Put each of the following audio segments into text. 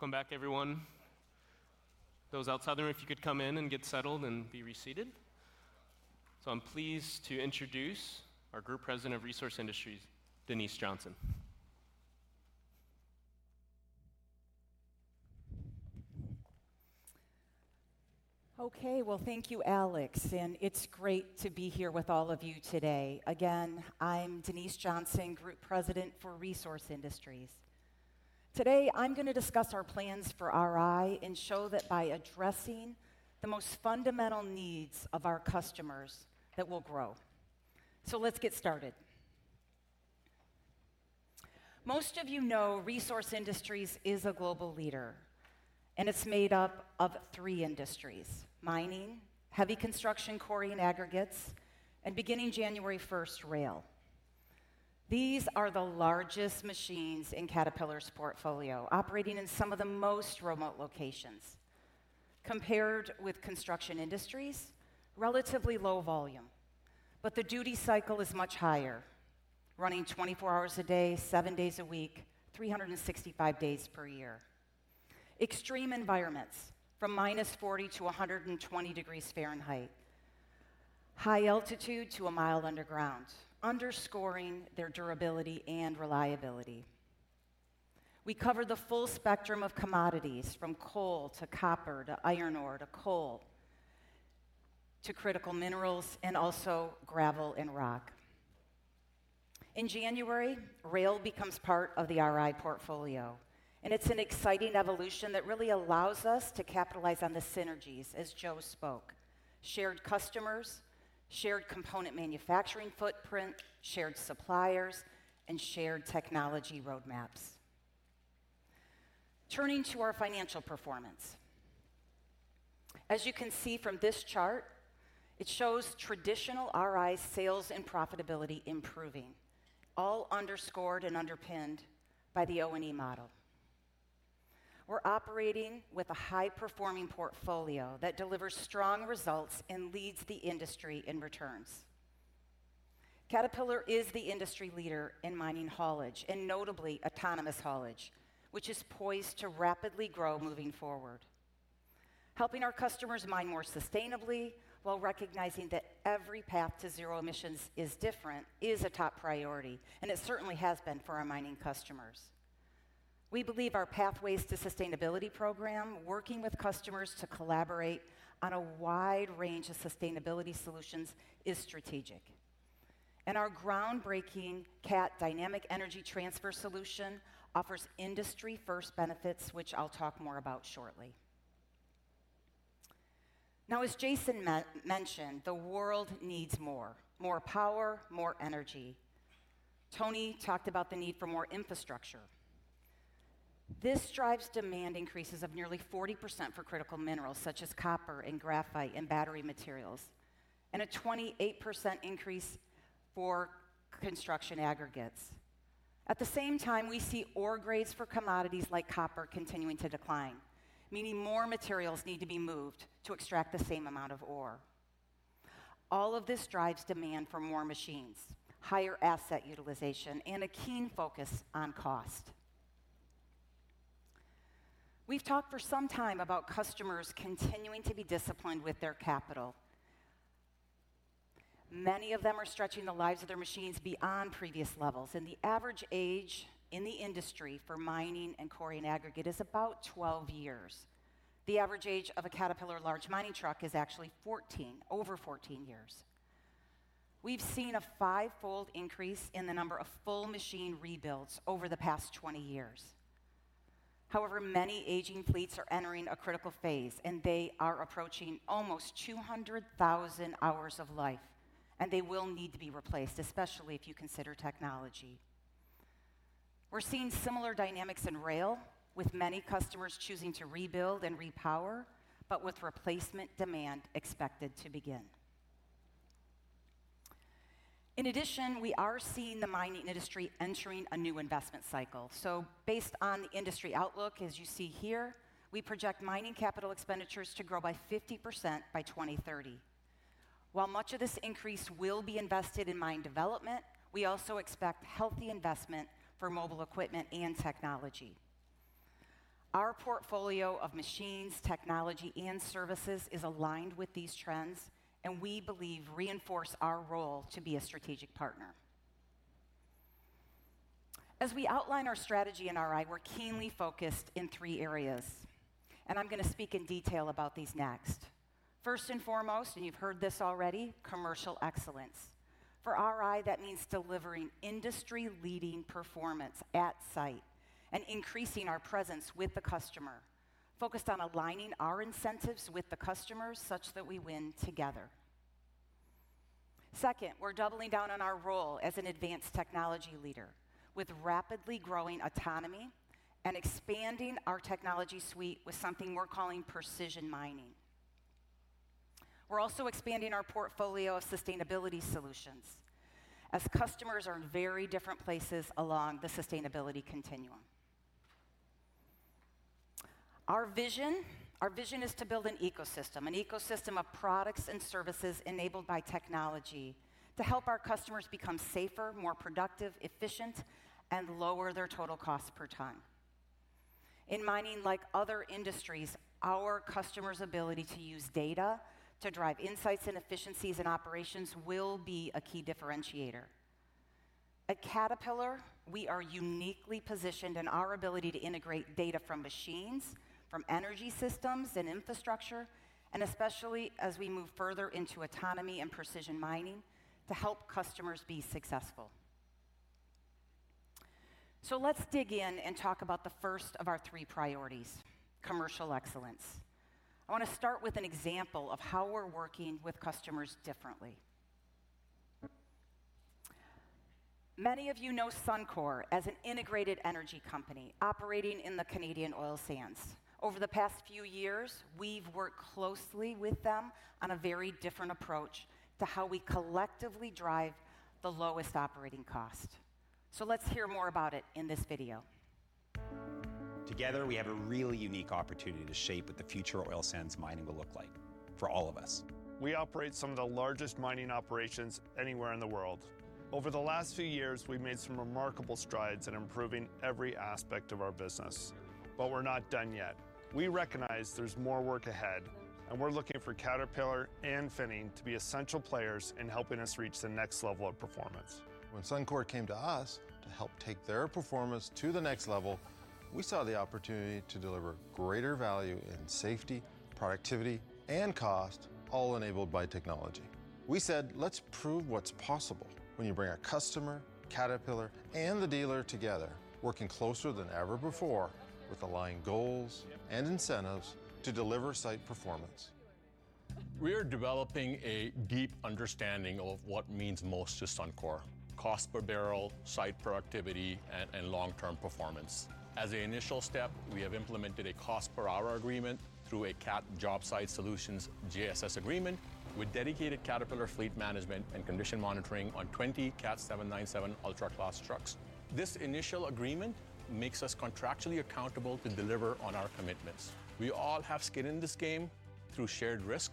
Welcome back everyone. Those outside the room, if you could come in and get settled and be reseated. So I'm pleased to introduce our Group President of Resource Industries, Denise Johnson. Okay, well, thank you, Alex, and it's great to be here with all of you today. Again, I'm Denise Johnson, Group President for Resource Industries. Today I'm going to discuss our plans for RI and show that by addressing the most fundamental needs of our customers, that will grow. So let's get started. Most of you know Resource Industries is a global leader and it's made up of three industries, mining, heavy construction, quarry and aggregates, and beginning January 1, rail. These are the largest machines in Caterpillar's portfolio, operating in some of the most remote locations compared with construction industries. Relatively low volume, but the duty cycle is much higher. Running 24 hours a day, seven days a week, 365 days per year. Extreme environments from minus 40-120 degrees Fahrenheit, high altitude to a mile underground. Underscoring their durability and reliability. We cover the full spectrum of commodities from coal to copper to iron ore to coal to critical minerals and also gravel and rock. In January, rail becomes part of the RI portfolio and it's an exciting evolution that really allows us to capitalize on the synergies. As Joe spoke, shared customers, shared component manufacturing footprint, shared suppliers and shared technology roadmaps. Turning to our financial performance, as you can see from this chart, it shows traditional RI's sales and profitability improving, all underscored and underpinned by the O &E model. We're operating with a high performing portfolio that delivers strong results and leads the industry in returns. Caterpillar is the industry leader in mining, haulage and notably autonomous haulage, which is poised to rapidly grow moving forward, helping our customers mine more sustainably. While recognizing that every path to zero emissions is different, is a top priority and it certainly has been for our mining customers. We believe our Pathways to Sustainability program, working with customers to collaborate on a wide range of sustainability solutions is strategic and our groundbreaking CAT dynamic energy transfer solution offers industry-first benefits, which I'll talk more about shortly. Now, as Jason mentioned, the world needs more power, more energy. Tony talked about the need for more infrastructure. This drives demand increases of nearly 40% for critical minerals such as copper and graphite and battery material and a 28% increase for construction aggregates. At the same time, we see ore grades for commodities like copper continuing to decline, meaning more materials need to be moved to extract the same amount of ore. All of this drives demand for more machines, higher asset utilization and a keen focus on cost. We've talked for some time about customers continuing to be disciplined with their capital. Many of them are stretching the lives of their machines beyond previous levels and the average age in the industry for mining and quarry and aggregate is about 12 years. The average age of a Caterpillar large mining truck is actually 14. Over 14 years, we've seen a fivefold increase in the number of full machine rebuilds over the past 20 years. However, many aging fleets are entering a critical phase and they are approaching almost 200,000 hours of life and they will need to be replaced, especially if you consider technology. We're seeing similar dynamics in rail, with many customers choosing to rebuild and repower, but with replacement demand expected to begin. In addition, we are seeing the mining industry entering a new investment cycle, so based on the industry outlook, as you see here, we project mining capital expenditures to grow by 50% by 2030. While much of this increase will be invested in mine development, we also expect healthy investment for mobile equipment and technology. Our portfolio of machines, technology and services is aligned with these trends and we believe reinforce our role to be a strategic partner. As we outline our strategy in RI, we're keenly focused in three areas and I'm going to speak in detail about these next. First and foremost, and you've heard this already, commercial excellence. For RI, that means delivering industry-leading performance at site and increasing our presence with the customer. Focused on aligning our incentives with the customers such that we win together. Second, we're doubling down on our role as an advanced technology leader with rapidly growing autonomy and expanding our technology suite with something we're calling Precision Mining. We're also expanding our portfolio of sustainability solutions as customers are in very different places along the sustainability continuum. Our vision is to build an ecosystem, an ecosystem of products and services enabled by technology to help our customers become safer, more productive, efficient and lower their total cost per ton in mining. Like other industries, our customers' ability to use data to drive insights and efficiencies in operations will be a key differentiator. At Caterpillar, we are uniquely positioned in our ability to integrate data from machines, from energy systems and infrastructure, and especially as we move further into autonomy and Precision Mining to help customers be successful. So let's dig in and talk about the first of our three priorities, Commercial excellence. I want to start with an example of how we're working with customers differently. Many of you know Suncor as an integrated energy company operating in the Canadian oil sands over the past few years. We've worked closely with them on a very different approach to how we collectively drive the lowest operating cost. So let's hear more about it in this video. Together we have a really unique opportunity to shape what the future of oil sands mining will look like for all of us. We operate some of the largest mining operations anywhere in the world. Over the last few years, we've made some remarkable strides in improving every aspect of our business. But we're not done yet. We recognize there's more work ahead and we're looking for Caterpillar and Finning to be essential players in helping us reach the next level of performance. When Suncor came to us to help take their performance to the next level, we saw the opportunity to deliver greater value in safety, productivity and cost, all enabled by technology. We said let's prove what's possible when you bring a customer, Caterpillar and the dealer together. Working closer than ever before with aligned goals and incentives to deliver site performance. We are developing a deep understanding of what means most to Suncor: cost per barrel, site productivity, and long-term performance. As an initial step, we have implemented a cost per hour agreement through a Cat Job Site Solutions JSS agreement with dedicated Caterpillar fleet management and condition monitoring on 20 Cat 797 Ultra Class trucks. This initial agreement makes us contractually accountable to deliver on our commitments. We all have skin in this game through shared risk.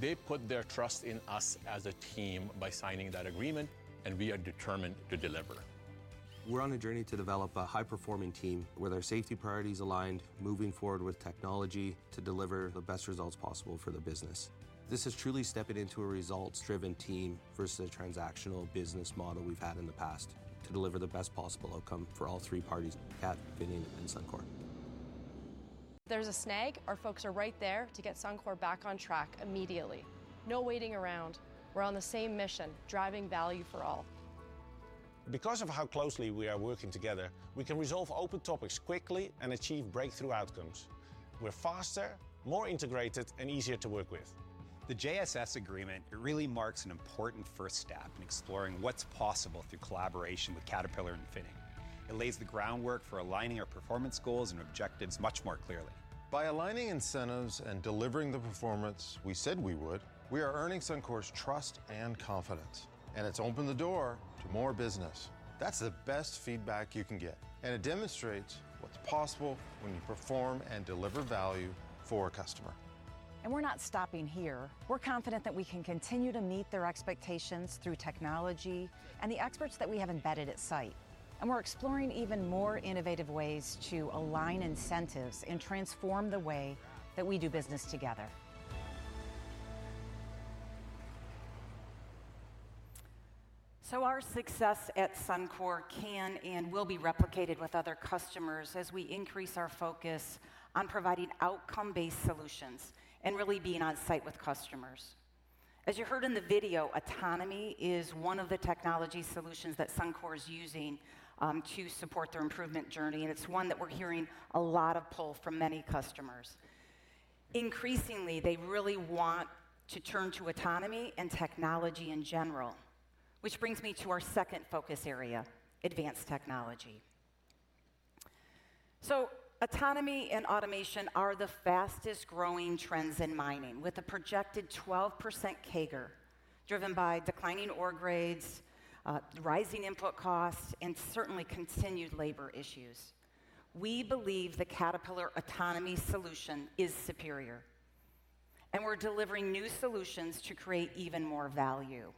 They put their trust in us as a team by signing that agreement and we are determined to deliver. We're on a journey to develop a high-performing team with our safety priorities aligned, moving forward with technology to deliver the best results possible for the business. This is truly stepping into a results. Driven team versus a transactional business model we've had in the past to deliver the best possible outcome for all three. Cat, Finning and Suncor. Are in Suncor's daily planning meetings we're out in the pit. If there's a snag, our folks are right there to get Suncor back on track immediately. No waiting around. We're on the same mission, driving value for all. Because of how closely we are working together, we can resolve open topics quickly and achieve breakthrough outcomes. We're faster, more integrated, and easier to work with. The JSS agreement really marks an important first step in exploring what's possible. Through collaboration with Caterpillar and Finning, it lays the groundwork for aligning our performance. Goals and much more clearly. By aligning incentives and delivering the performance we said we would, we are earning Suncor's trust and confidence and it's opened the door to more business. That's the best feedback you can get and it demonstrates what's possible when you perform and deliver value for a customer. And we're not stopping here. We're confident that we can continue to meet their expectations through technology and the experts that we have embedded at site. And we're exploring even more innovative ways to align incentives and transform the way that we do business together. So our success at Suncor can and will be replicated with other customers as we increase our focus on providing outcome based solutions and really being on site with customers. As you heard in the video, Autonomy is one of the technology solutions that Suncor is using to support their improvement journey. And it's one that we're hearing a lot of pull from many customers. Increasingly they really want to turn to autonomy and technology in general. Which brings me to our second focus area, advanced technology. So, autonomy and automation are the fastest-growing trends in mining with a projected 12% CAGR driven by declining ore grades, rising input costs, and certainly continued labor issues. We believe the Caterpillar autonomy solution is superior and we're delivering new solutions to create even more value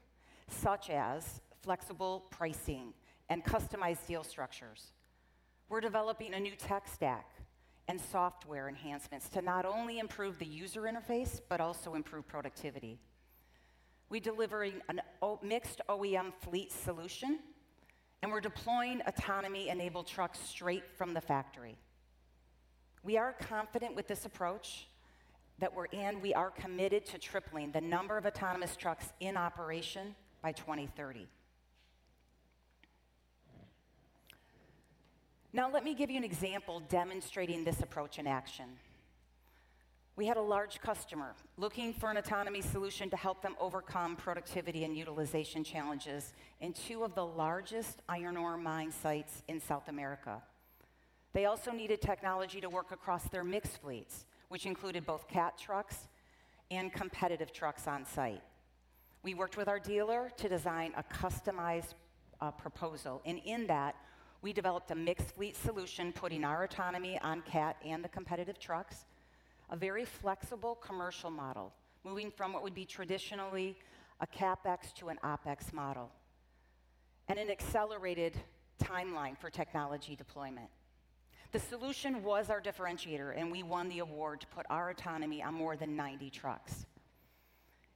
such as flexible pricing and customized deal structures. We're developing a new tech stack and software enhancements to not only improve the user interface but also improve productivity. We deliver a mixed OEM fleet solution and we're deploying autonomy-enabled trucks straight from the factory. We are confident with this approach that we're committed to tripling the number of autonomous trucks in operation by 2030. Now let me give you an example demonstrating this approach in action. We had a large customer looking for an autonomy solution to help them overcome productivity and utilization challenges in two of the largest iron ore mine sites in South America. They also needed technology to work across their mixed fleets which included both CAT trucks and competitive trucks on site. We worked with our dealer to design a customized proposal and in that we developed a mixed fleet solution putting our autonomy on CAT and the competitive trucks, a very flexible commercial model moving from what would be traditionally a CapEx to an OpEx model and an accelerated timeline for technology deployment. The solution was our differentiator and we won the award to put our autonomy on more than 90 trucks.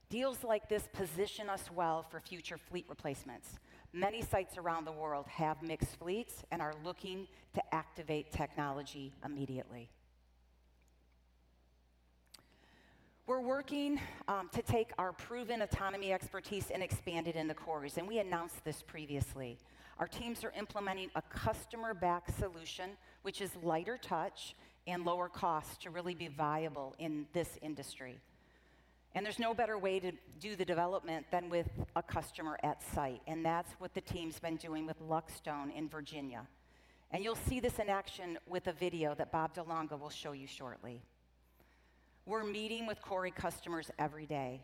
Deals like this position us well for future fleet replacements. Many sites around the world have mixed fleets and are looking to activate technology immediately. We're working to take our proven autonomy expertise and expand it in the cores. And we announced this previously. Our teams are implementing a customer backed solution which is lighter touch and lower cost to really be viable in this industry and there's no better way to do the development than with a customer at site. And that's what the team's been doing with Luck Stone in Virginia. And you'll see this in action with a video that Bob De Lange will show you shortly. We're meeting with CORI customers every day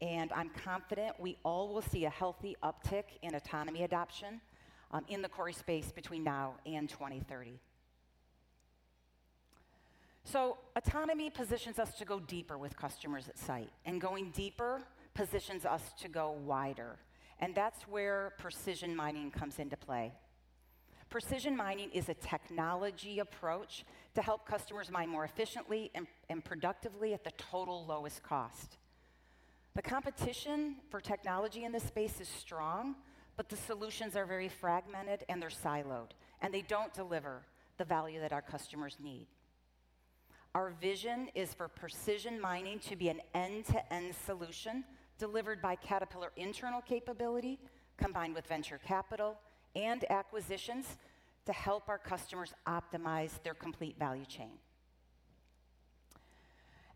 and I'm confident we all will see a healthy uptick in Autonomy adoption in the CORI space between now and 2030. So autonomy positions us to go deeper with customers at site, and going deeper positions us to go wider. And that's where precision mining comes into play. Precision Mining is a technology approach to help customers mine more efficiently and productively at the total lowest cost. The competition for technology in this space is strong, but the solutions are very fragmented and they're siloed and they don't deliver the value that our customers need. Our vision is for Precision Mining to be an end-to-end solution delivered by Caterpillar, internal capability combined with venture capital and acquisitions to help our customers optimize their complete value chain,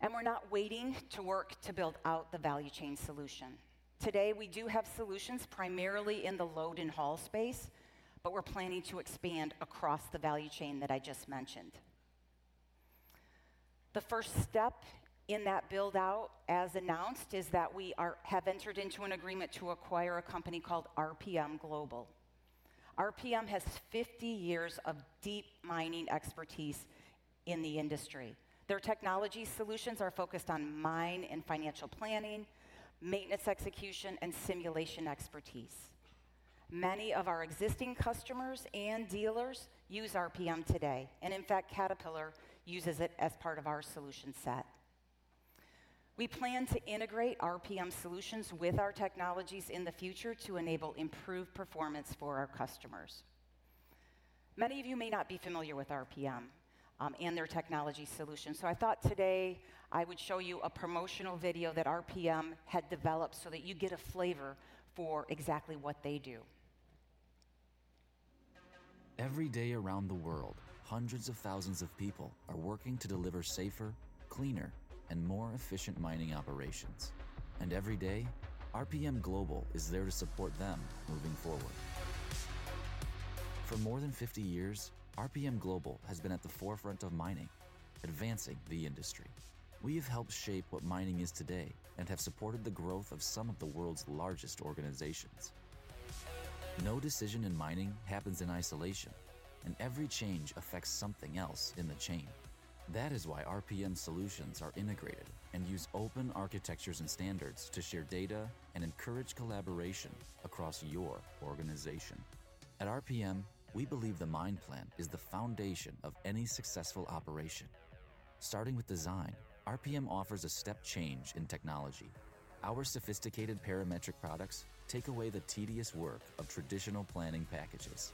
and we're not waiting to work to build out the value chain solution today. We do have solutions primarily in the load and haul space, but we're planning to expand across the value chain that I just mentioned. The first step in that build out as announced is that we have entered into an agreement to acquire a company called RPMGlobal. RPM has 50 years of deep mining expertise in the industry. Their technology solutions are focused on mine and financial planning, maintenance, execution and simulation expertise. Many of our existing customers and dealers use RPM today and in fact Caterpillar uses it as part of our solution set. We plan to integrate RPM solutions with our technologies in the future to enable improved performance for our customers. Many of you may not be familiar with RPM and their technology solutions, so I thought today I would show you a promotional video that RPM had developed so that you get a flavor for exactly what they do. Every day around the world, hundreds of thousands of people are working to deliver, safer, cleaner and more efficient mining operations. And every day RPMGlobal is there to support them moving forward. For more than 50 years, RPMGlobal has been at the forefront of mining, advancing the industry. We have helped shape what mining is today and have supported the growth of some of the world's largest organizations. No decision in mining happens in isolation. Every change affects something else in the chain. That is why RPM solutions are integrated and use open architectures and standards to share data and encourage collaboration across your organization. At RPM, we believe the mine plan is the foundation of any successful operations. Starting with design, RPM offers a step change in technology. Our sophisticated parametric products take away the tedious work of traditional planning packages.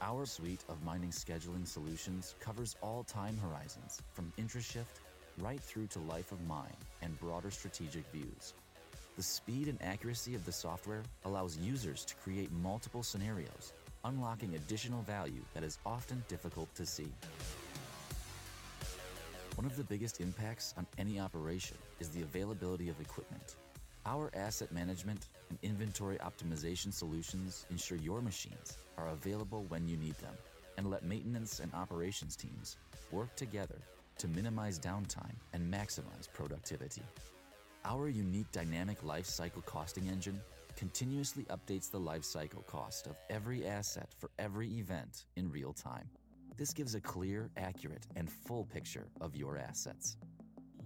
Our suite of mining scheduling solutions covers all time horizons from intra-shift right through to life of mine and broader strategic views. The speed and accuracy of the software allows you to create multiple scenarios. Unlocking additional value that is often difficult to see. One of the biggest impacts on any operation is the availability of equipment. Our asset management and inventory optimization solutions ensure your machines are available when you need them and let maintenance and operations. Teams work together to minimize downtime and maximize productivity. Our unique dynamic lifecycle costing engine continuously updates the lifecycle cost of every asset for every event in real time. This gives a clear, accurate and full picture of your assets.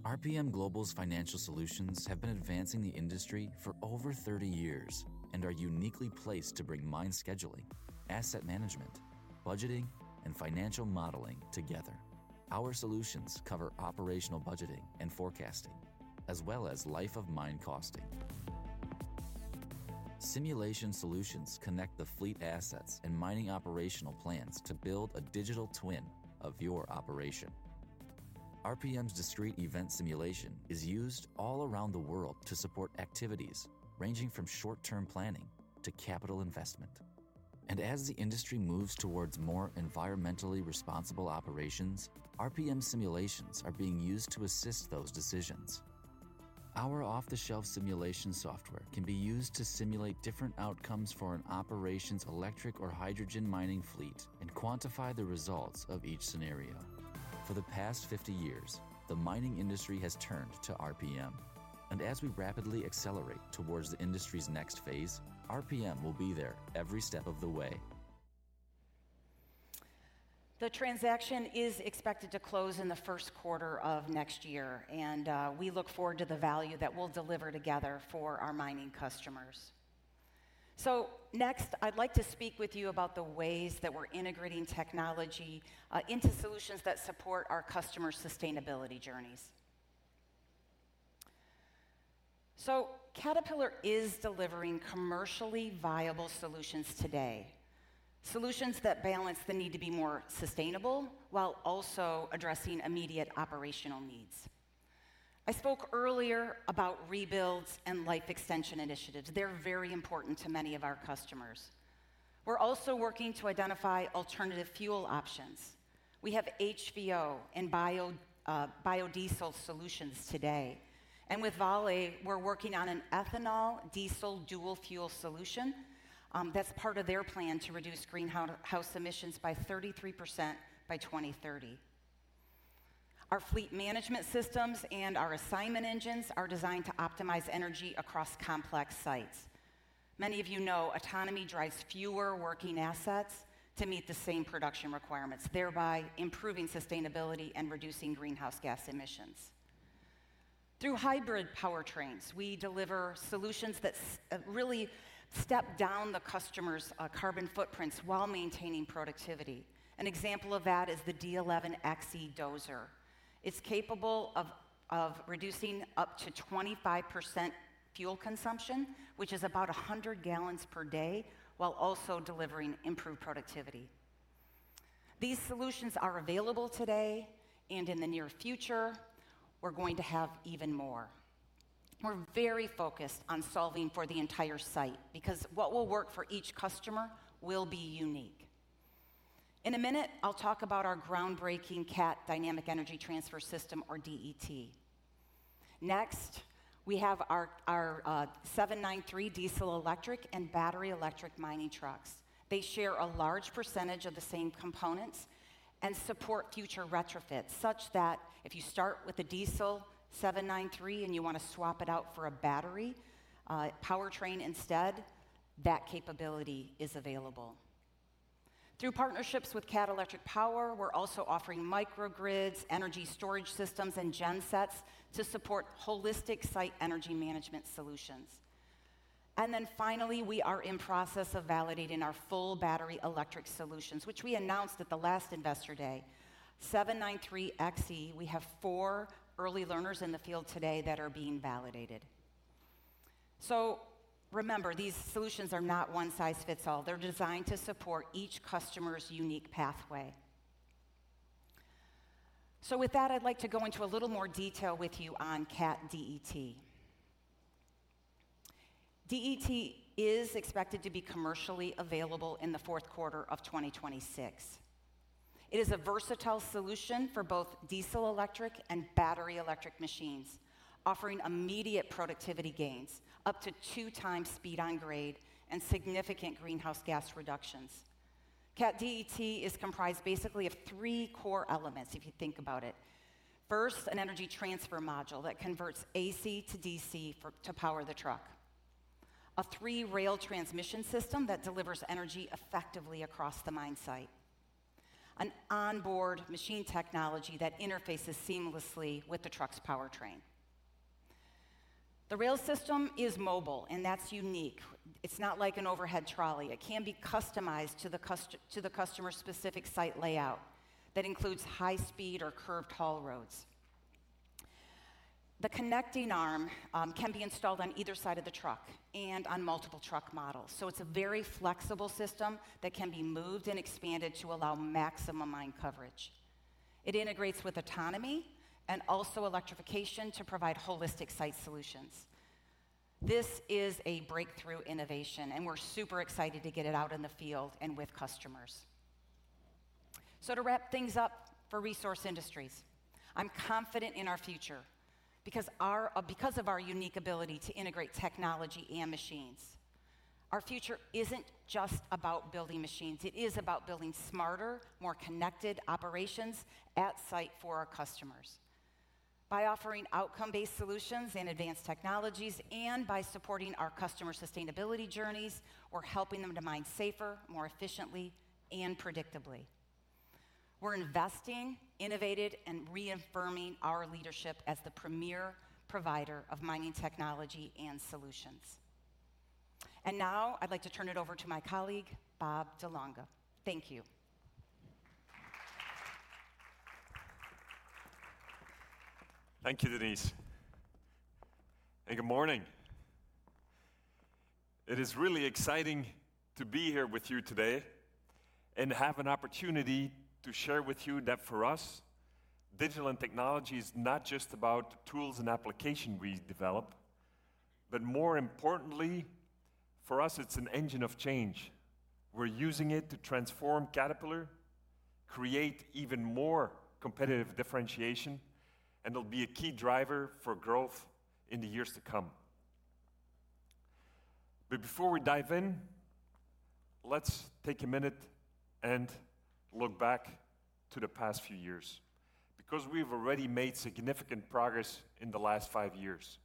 RPMGlobal's financial solutions have been advancing the industry for over 30 years and are uniquely placed to bring mine scheduling, asset management, budgeting and financial modeling together. Our solutions cover operational budgeting and forecasting. As well as life of mine costing. Simulation solutions connect the fleet assets and mining operational plans to build a digital twin of your operation. RPM's discrete event simulation is used all around the world to support activities ranging from short term planning to capital investment. As the industry moves towards more environmentally responsible operations, RPM simulations are being used to assist those decisions. Our off-the-shelf simulation software can be used to simulate different outcomes for. An autonomous, electric or hydrogen mining fleet and quantify the results of each scenario for the past 50 years the mining industry has turned to RPM and as we rapidly accelerate towards the industry's next phase, RPM will be there every step of the way. The transaction is expected to close in the first quarter of next year and we look forward to the value that we'll deliver together for our mining customers. So next I'd like to speak with you about the ways that we're integrating technology into solutions that support our customer sustainability journeys. So Caterpillar is delivering commercially viable solutions today. Solutions that balance the need to be more sustainable while also addressing immediate operational needs. I spoke earlier about rebuilds and life extension initiatives. They're very important to many of our customers. We're also working to identify alternative fuel options. We have HVO and biodiesel solutions today and with Vale we're working on an ethanol diesel dual fuel solution that's part of their plan to reduce greenhouse emissions by 33% by 2030. Our fleet management systems and our advanced engines are designed to optimize energy across complex sites. Many of you know autonomy drives fewer working assets to meet the same production requirements, thereby improving sustainability and reducing greenhouse gas emissions. Through hybrid powertrains we deliver solutions that really step down the customer's carbon footprints while maintaining productivity. An example of that is the D11XE Dozer. It's capable of reducing up to 25% fuel consumption, which is about 100 gallons per day, while also delivering improved productivity. These solutions are available today and in the near future we're going to have even more. We're very focused on solving for the entire site because what will work for each customer will be unique. In a minute I'll talk about our groundbreaking Cat Dynamic Energy Transfer system or DET. Next, we have our 793 diesel electric and battery electric mining trucks. They share a large percentage of the same components and support future retrofits such that if you start with the diesel 793 and you want to swap it out for a battery powertrain instead, that capability is available through partnerships with Cat Electric Power. We're also offering micro grids, energy storage systems and gensets to support holistic site energy management solutions. And then finally we are in process of validating our full battery electric solutions which we announced at the last Investor Day. 793XE, we have four early learners in the field today that are being validated. So remember, these solutions are not one size fits all. They're designed to support each customer's unique pathway. So with that I'd like to go into a little more detail with you on Cat DET, is expected to be commercially available in the fourth quarter of 2026. It is a versatile solution for both diesel electric and battery electric machines offering immediate productivity gains up to two times speed on grade and significant greenhouse gas reduction. Cat DET is comprised basically of three core elements if you think about it. First, an energy transfer module that converts AC to DC to power the truck. A third rail transmission system that delivers energy effectively across the mine site. An onboard machine technology that interfaces seamlessly with the truck's powertrain. The rail system is mobile and that's unique. It's not like an overhead trolley. It can be customized to the customer specific site layout that includes high speed or curved haul roads. The connecting arm can be installed on either side of the truck and on multiple truck models. So it's a very flexible system that can be moved and expanded to allow maximum mine coverage. It integrates with autonomy and also electrification to provide holistic site-to-site solutions. This is a breakthrough innovation and we're super excited to get it out in the field and with customers. So to wrap things up for resource industries, I'm confident in our future because of our unique ability to integrate technology and machines. Our future isn't just about building machines, it is about building smarter, more connected operations at customer sites for our customers. By offering outcome-based solutions and advanced technologies and by supporting our customer sustainability journeys, we're helping them to mine safer, more efficiently and predictably. We're investing, innovating and reaffirming our leadership as the premier provider of mining technology and solutions. And now I'd like to turn it over to my colleague Bob De Lange. Thank you. Thank you, Denise, and good morning. It is really exciting to be here with you today and have an opportunity to share with you that for us digital and technology is not just about tools and applications we develop, but more importantly for us, it's an engine of change. We're using it to transform Caterpillar, create even more competitive differentiation and it'll be a key driver for growth in the years to come. But before we dive in, let's take a minute and look back to the past few years because we've already made significant progress in the last five years.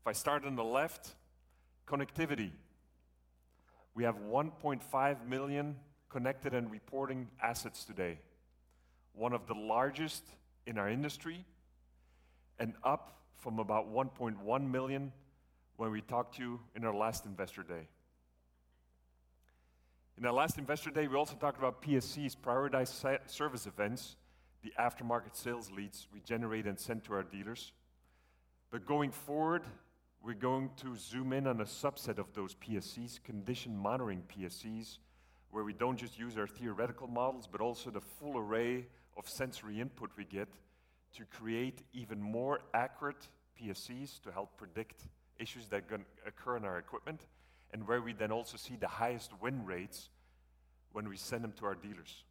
If I start on the left, connectivity, we have 1.5 million connected and reporting assets today. One of the largest in our industry and up from about 1.1 million when we talked to you in our last investor day. In our last investor day we also talked about PSEs, prioritized service events, the aftermarket sales leads we generate and send to our dealers. But going forward we're going to zoom in on a subset of those PSEs, condition monitoring PSEs where we don't just use our theoretical models, but also the full array of sensory input. We get to create even more accurate PSEs to help predict issues that can occur in our equipment and where we then also see the highest win rates when we send them to our dealers.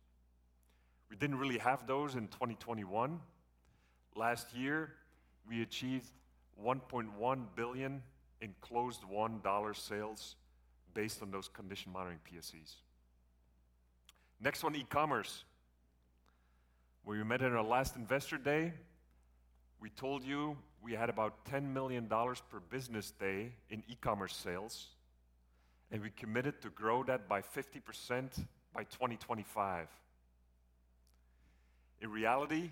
We didn't really have those in 2021. Last year we achieved $1.1 billion in closed-win sales based on those condition monitoring PSEs. Next one, e-commerce, where we met at our last investor day we told you we had about $10 million per business day in e-commerce sales and we committed to grow that by 50% by 2025. In reality,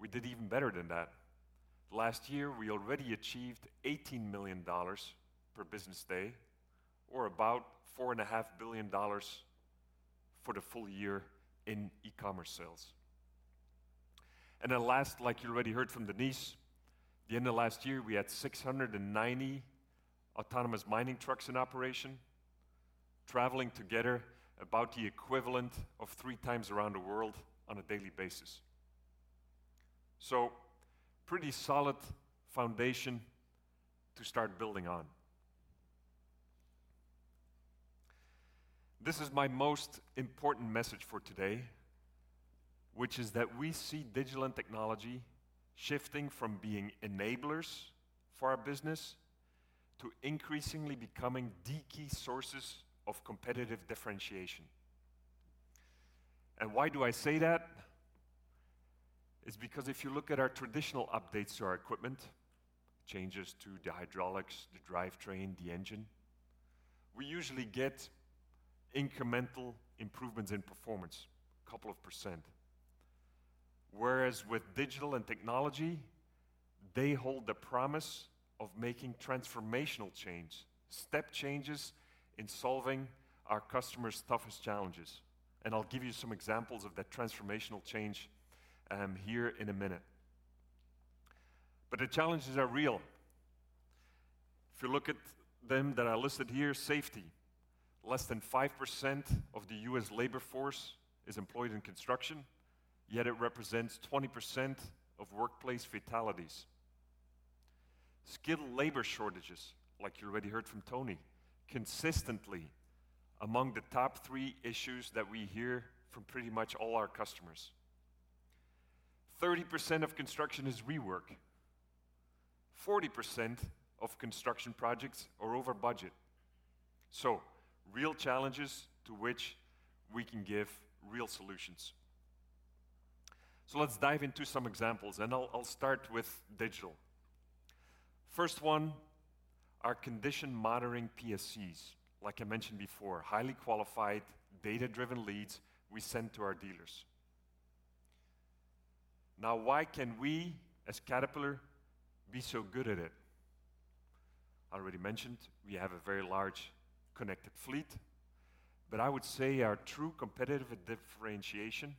we did even better than that. Last year we already achieved $18 million per business day or about $4.5 billion for the full year in e-commerce sales. And then last, like you already heard from Denise, the end of last year we had 690 autonomous mining trucks in operation traveling together about the equivalent of three times around the world on a daily basis. So pretty solid foundation to start building on. This is my most important message for today, which is that we see digital and technology shifting from being enablers for our business to increasingly becoming the key sources of competitive differentiation. And why do I say that? It's because if you look at our traditional updates to our equipment, changes to the hydraulics, the drivetrain, the engine, we usually get incremental improvements in performance a couple of percentage. Whereas with digital and technology they hold the promise of making transformational change step changes in solving our customers' toughest challenges. And I'll give you some examples of that transformational change here in a minute. But the challenges are real if you look at them that I listed here. Safety. Less than 5% of the U.S. labor force is employed in construction, yet it represents 20% of workplace fatalities. Skilled labor shortages. Like you already heard from Tony, consistently among the top three issues that we hear from pretty much all our customers for 30% of construction is rework. 40% of construction projects are over budget. So real challenges to which we can give real solutions. So let's dive into some examples and I'll start with digital. First one are condition monitoring PSCs like I mentioned before, highly qualified data driven leads we send to our dealers. Now why can we as Caterpillar be so good at it? I already mentioned we have a very large connected fleet. But I would say our true competitive differentiation,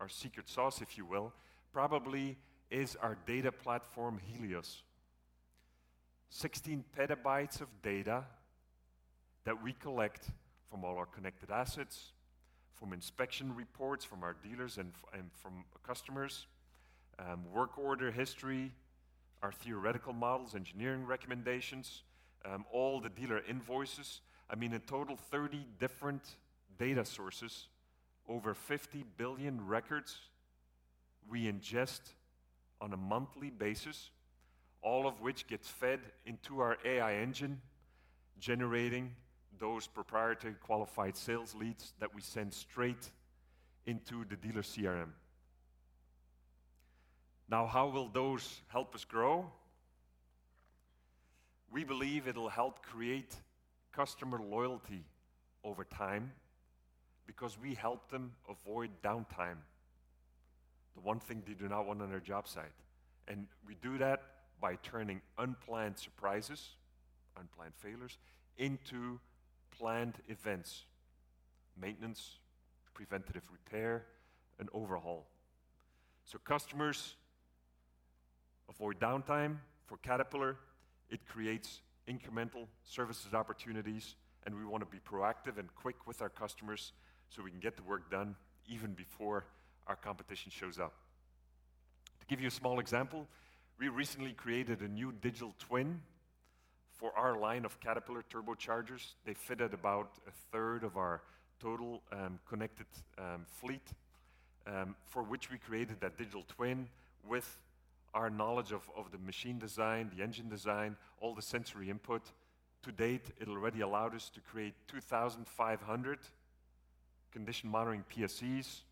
our secret sauce, if you will, probably is our data platform Helios. 16 petabytes of data that we collect from all our connected assets from inspection reports from our dealers and from customers. Work order history, our theoretical models, engineering recommendations, all the dealer invoices, I mean a total 30 different data sources, over 50 billion records we ingest on a monthly basis. All of which gets fed into our AI engine, generating those proprietary qualified sales leads that we send straight into the dealer CRM. Now how will those help us grow? We believe it'll help create customer loyalty over time because we help them avoid downtime, the one thing they do not want on their job site. And we do that by turning unplanned surprises, unplanned failures into planned events. Maintenance, preventative repair and overhaul so customers avoid downtime. For Caterpillar, it creates incremental services opportunities. And we want to be proactive and quick with our customers so we can get the work done even before our competition shows up. To give you a small example, we recently created a new digital twin for our line of Caterpillar turbochargers. They fitted about a third of our total Connected fleet for which we created that digital twin. With our knowledge of the machine design, the engine design, all the sensory input to date, it already allowed us to create 2,500 condition monitoring PSEs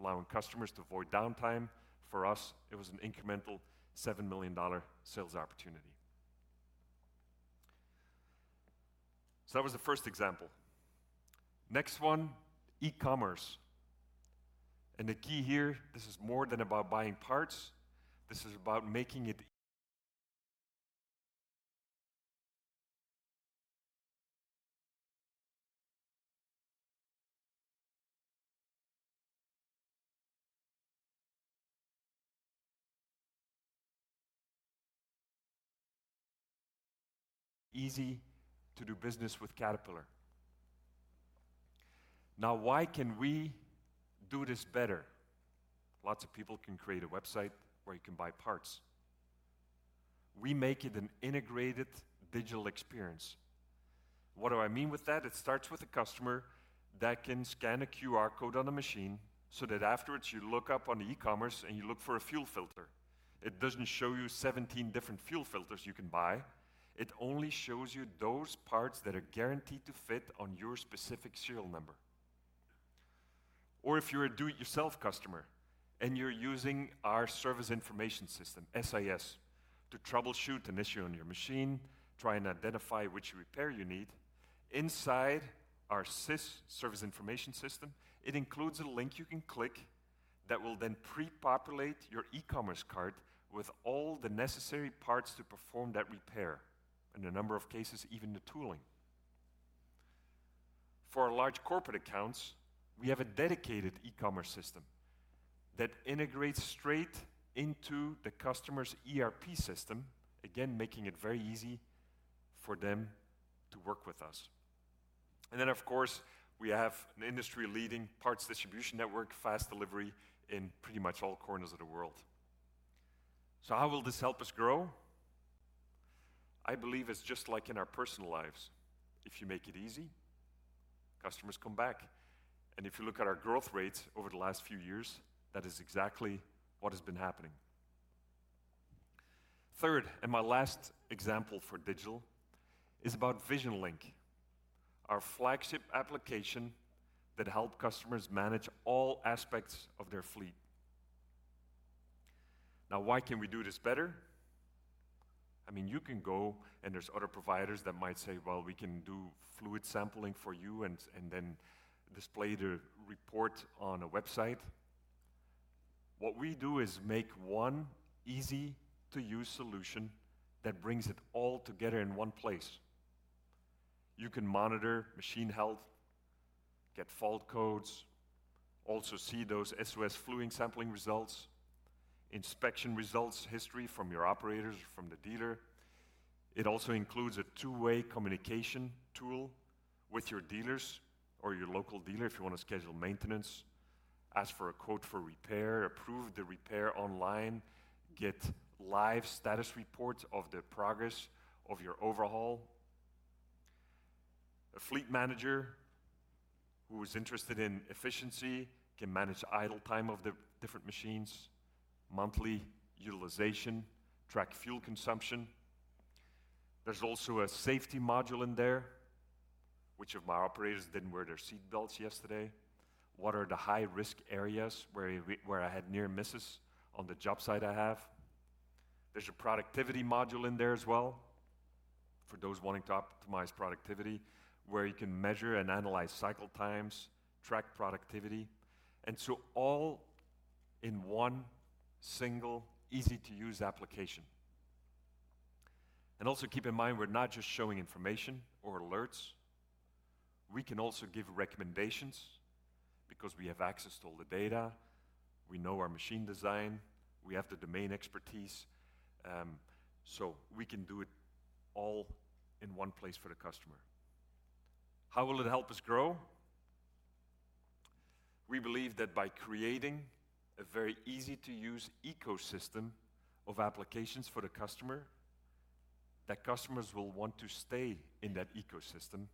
allowing customers to avoid downtime. For us, it was an incremental $7 million sales opportunity. So that was the first example. Next one, e-commerce and the key here, this is more than about buying parts, this is about making it easy to do business with Caterpillar. Now why can we do this better? Lots of people can create a website where you can buy parts. We make it an integrated digital experience. What do I mean with that? It starts with a customer that can scan a QR code on the machine so that afterwards you look up on e-commerce and you look for a fuel filter, it doesn't show you 17 different fuel filters you can buy. It only shows you those parts that are guaranteed to fit on your specific serial number. Or if you're a do it yourself customer and you're using our service information system SIS to troubleshoot an issue on your machine, try and identify which repair you need inside our SIS service information system. It includes a link you can click that will then pre-populate your e-commerce cart with all the necessary parts to perform that repair in a number of cases. Even the tooling for large corporate accounts, we have a dedicated e-commerce system that integrates straight into the customer's ERP system. Again making it very easy for them to work with us. And then of course we have an industry-leading parts distribution network, fast delivery in pretty much all corners of the world. So how will this help us grow? I believe it's just like in our personal lives. If you make it easy, customers come back, and if you look at our growth rates over the last few years, that is exactly what has been happening. Third, and my last example for digital is about VisionLink, our flagship application that help customers manage all aspects of their fleet. Now why can we do this better? I mean you can go and there's other providers that might say well we can do fluid sampling for you and then display the report on a website. What we do is make one easy to use solution that brings it all together in one place. You can monitor machine health, get fault codes, also see those SOs, fluid sampling results, inspection results, history from your operators, from the dealer. It also includes a two way communication tool with your dealers or your local dealer. If you want to schedule maintenance, ask for a quote for repair, approve the repair online, get live status report of the progress of your overhaul, a fleet manager who is interested in efficiency can manage idle time of the different machines, monthly utilization, track fuel consumption. There's also a safety module in there. Which of my operators didn't wear their seatbelts yesterday? What are the high risk areas where I had near misses on the job site? I have. There's a productivity module in there as well for those wanting to optimize productivity where you can measure and analyze cycle times, track productivity and so all in one single easy to use application. And also keep in mind, we're not just showing information or alerts, we can also give recommendations because we have access to all the data, we know our machine design, we have the domain expertise so we can do it all in one place for the customer. How will it help us grow? We believe that by creating a very easy to use ecosystem of applications for the customer that customers will want to stay in that ecosystem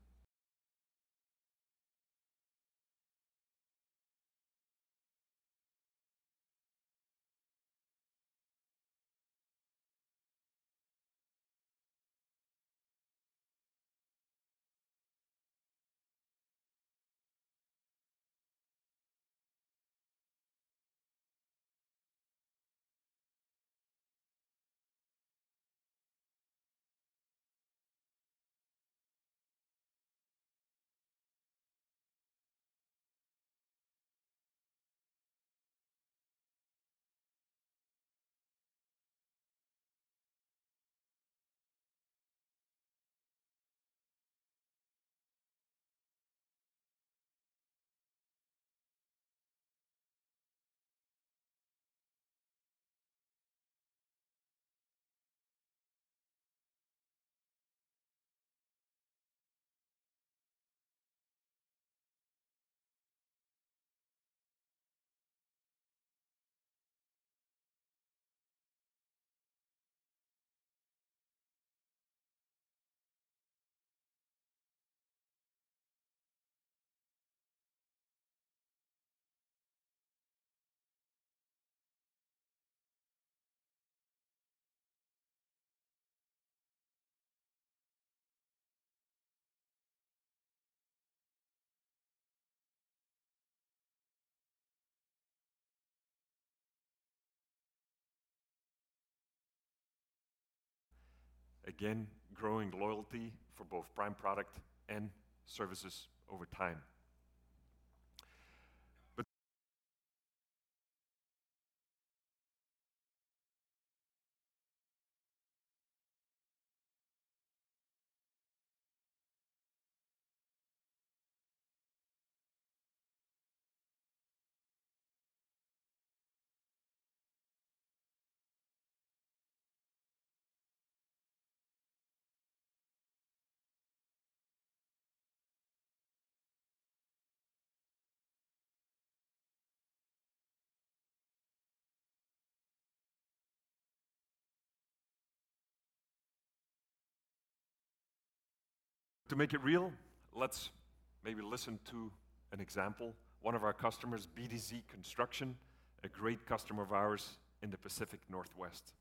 again. Growing loyalty for both prime product and services over time. But to make it real, let's maybe listen to an example. One of our customers, BDZ Construction, a great customer of ours in the Pacific Northwest.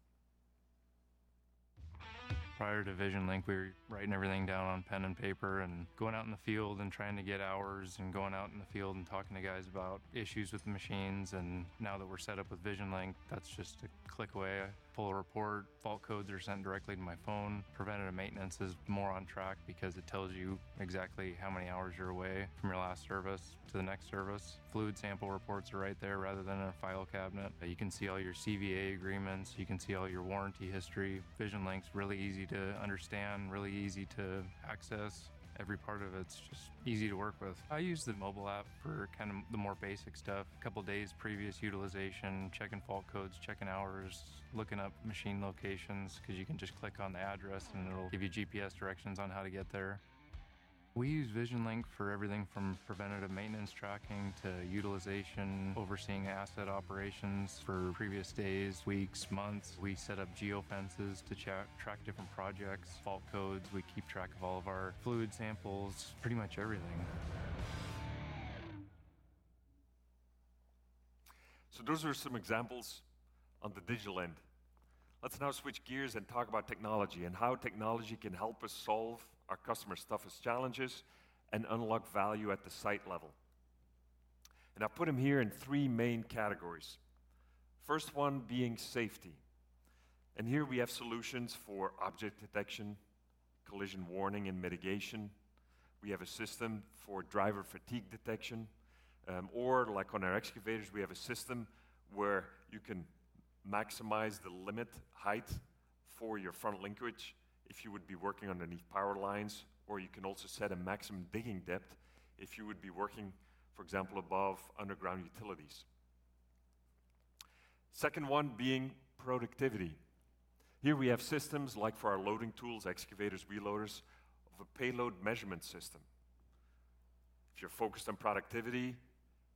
Prior to VisionLink we were writing everything down on pen and paper and going out in the field and trying to get hours and going out in the field and talking to guys about issues with the machines, and now that we're set up with VisionLink, that's just a click away. Pull a report. Fault codes are sent directly to my phone. Preventative maintenance is more on track because it tells you exactly how many hours you're away from your last service to the next service. Fluid sample reports are right there rather than a file cabinet. You can see all your CVA agreements, you can see all your warranty history. VisionLink's really easy to understand, really easy to access. Every part of it's just easy to work with. I use the mobile app for kind of the more basic stuff. A couple days previous utilization, checking fault codes, checking hours, looking up machine locations because you can just click on the address and it'll give you GPS directions on how to get there. We use VisionLink for everything from preventative maintenance tracking to utilization. Overseeing asset operations for previous days. We months we set up geo fences to track different projects fault codes. We keep track of all of our fluid samples, pretty much everything. So those are some examples on the digital end. Let's now switch gears and talk about technology and how technology can help us solve our customers toughest challenges and unlock value at the site level. And I put them here in three main categories. First one being safety. And here we have solutions for object detection, collision warning and mitigation. We have a system for driver fatigue detection or like on our excavators, we have a system where you can maximize the limit height for your front linkage if you would be working underneath power lines. Or you can also set a maximum digging depth if you would be working, for example above underground utilities. Second one being productivity. Here we have systems like for our loading tools, excavators, wheel loaders of a payload measurement system. If you're focused on productivity,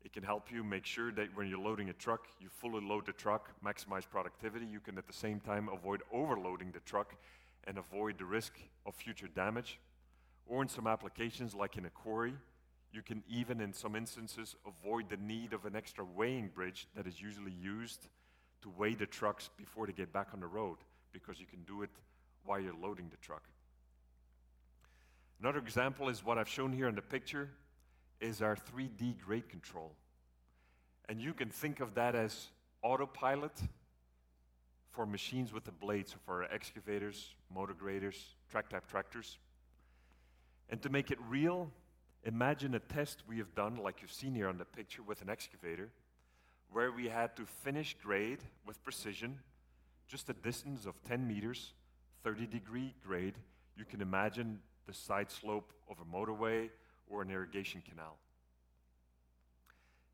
it can help you make sure that when you're loading a truck, you fully load the truck, maximize productivity. You can at the same time avoid overloading the truck and avoid the risk of future damage. Or in some applications, like in a quarry, you can even in some instances avoid the need of an extra weighing bridge that is usually used to weigh the trucks before they get back on the road. Because you can do it while you're loading the truck. Another example is what I've shown here. In the picture is our 3D Grade Control, and you can think of that as autopilot for machines with the blades for excavators, motor graders, track type tractors. And to make it real, imagine a test we have done like you've seen here on the picture with an excavator where we had to finish grade with precision, just a distance of 10 m, 30-degree grade. You can imagine the side slope of a motorway or an irrigation canal.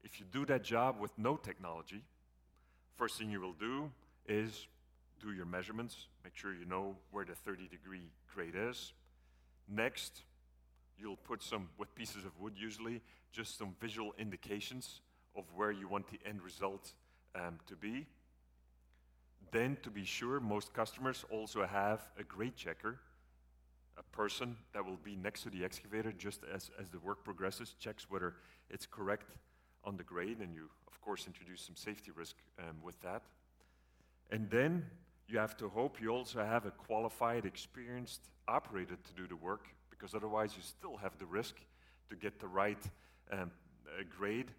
If you do that job with no technology, first thing you will do is do your measurements, make sure you know where the 30-degree grade is. Next you'll put some pieces of wood, usually just some visual indications of where you want the end result to be. Then to be sure, most customers also have a grade checker. A person that will be next to the excavator just as the work progresses, checks whether correct on the grade. And you of course introduce some safety risk with that. And then you have to hope you also have a qualified experienced operator to do the work. Because otherwise you still have the risk to get the right grade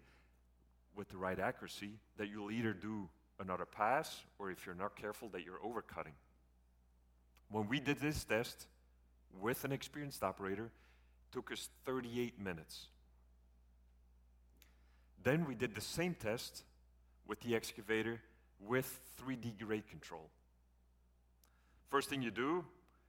with the right accuracy that you'll either do another pass or if you're not careful that you're over cutting. When we did this test with an experienced operator, took us 38 minutes. Then we did the same test with the excavator with 3D Grade Control. First thing you do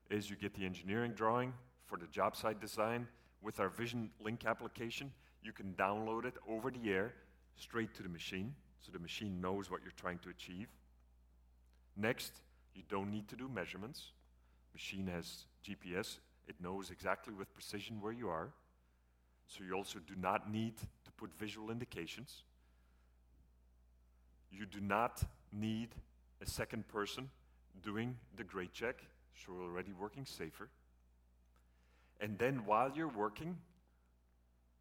is you get the engineering drawing for the job site design. With our VisionLink application. You can download it over the air straight to the machine so the machine knows what you're trying to achieve. Next, you don't need to do measurements. Machine has GPS, it knows exactly with precision where you are. So you also do not need to put visual indications. You do not need a second person doing the grade check, so we're already working safer, and then while you're working,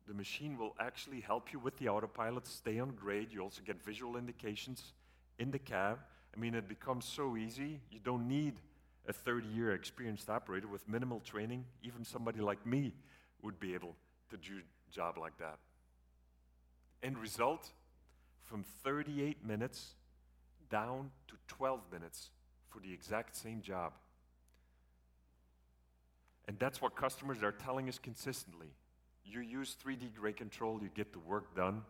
the machine will actually help you with the autopilot stay on grade. You also get visual indications in the cab. I mean it becomes so easy. You don't need a 30-year experienced operator with minimal training. Even somebody like me would be able to do job like that, end result from 38 minutes down to 12 minutes for the exact same job, and that's what customers are telling us consistently. You use 3D Grade Control, you get the work done,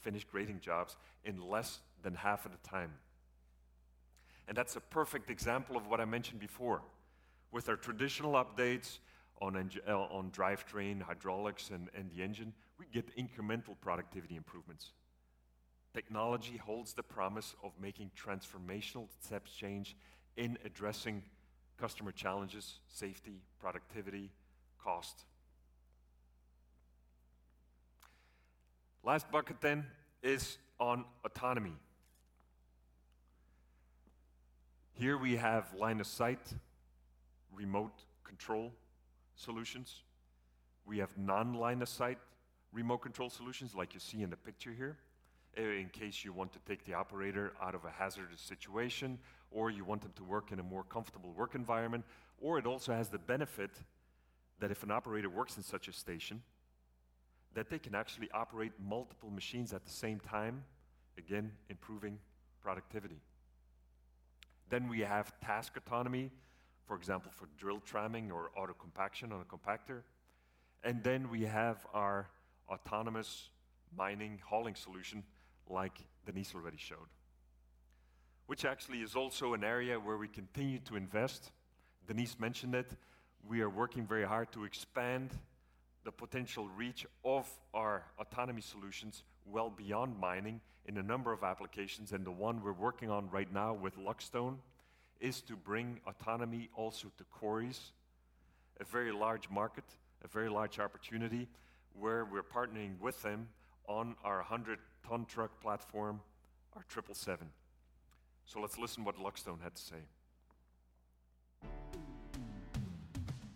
finished grading jobs in less than half of the time, and that's a perfect example of what I mentioned before. With our traditional updates on drivetrain, hydraulics and the engine, we get incremental productivity improvements. Technology holds the promise of making transformational step change in addressing customer challenges. Safety, productivity, cost. Last bucket, then, is on autonomy. Here we have line-of-sight remote control solutions. We have non-line-of-sight remote control solutions like you see in the picture here in case you want to take the operator out of a hazardous situation or you want them to work in a more comfortable working environment. Or it also has the benefit that if an operator works in such a station that they can actually operate multiple machines at the same time, again improving productivity. Then we have task autonomy, for example for drill tramming or auto compaction on a compactor. And then we have our autonomous mining hauling solution like Denise already showed, which actually is also an area where we continue to invest. Denise mentioned it. We are working very hard to expand the potential reach of our autonomy solutions well beyond mining in a number of applications, and the one we're working on right now with Luck Stone is to bring autonomy also to quarries, a very large market, a very large opportunity where we're partnering with them on our 100-ton truck platform, our 777, so let's listen what Luck Stone had to say.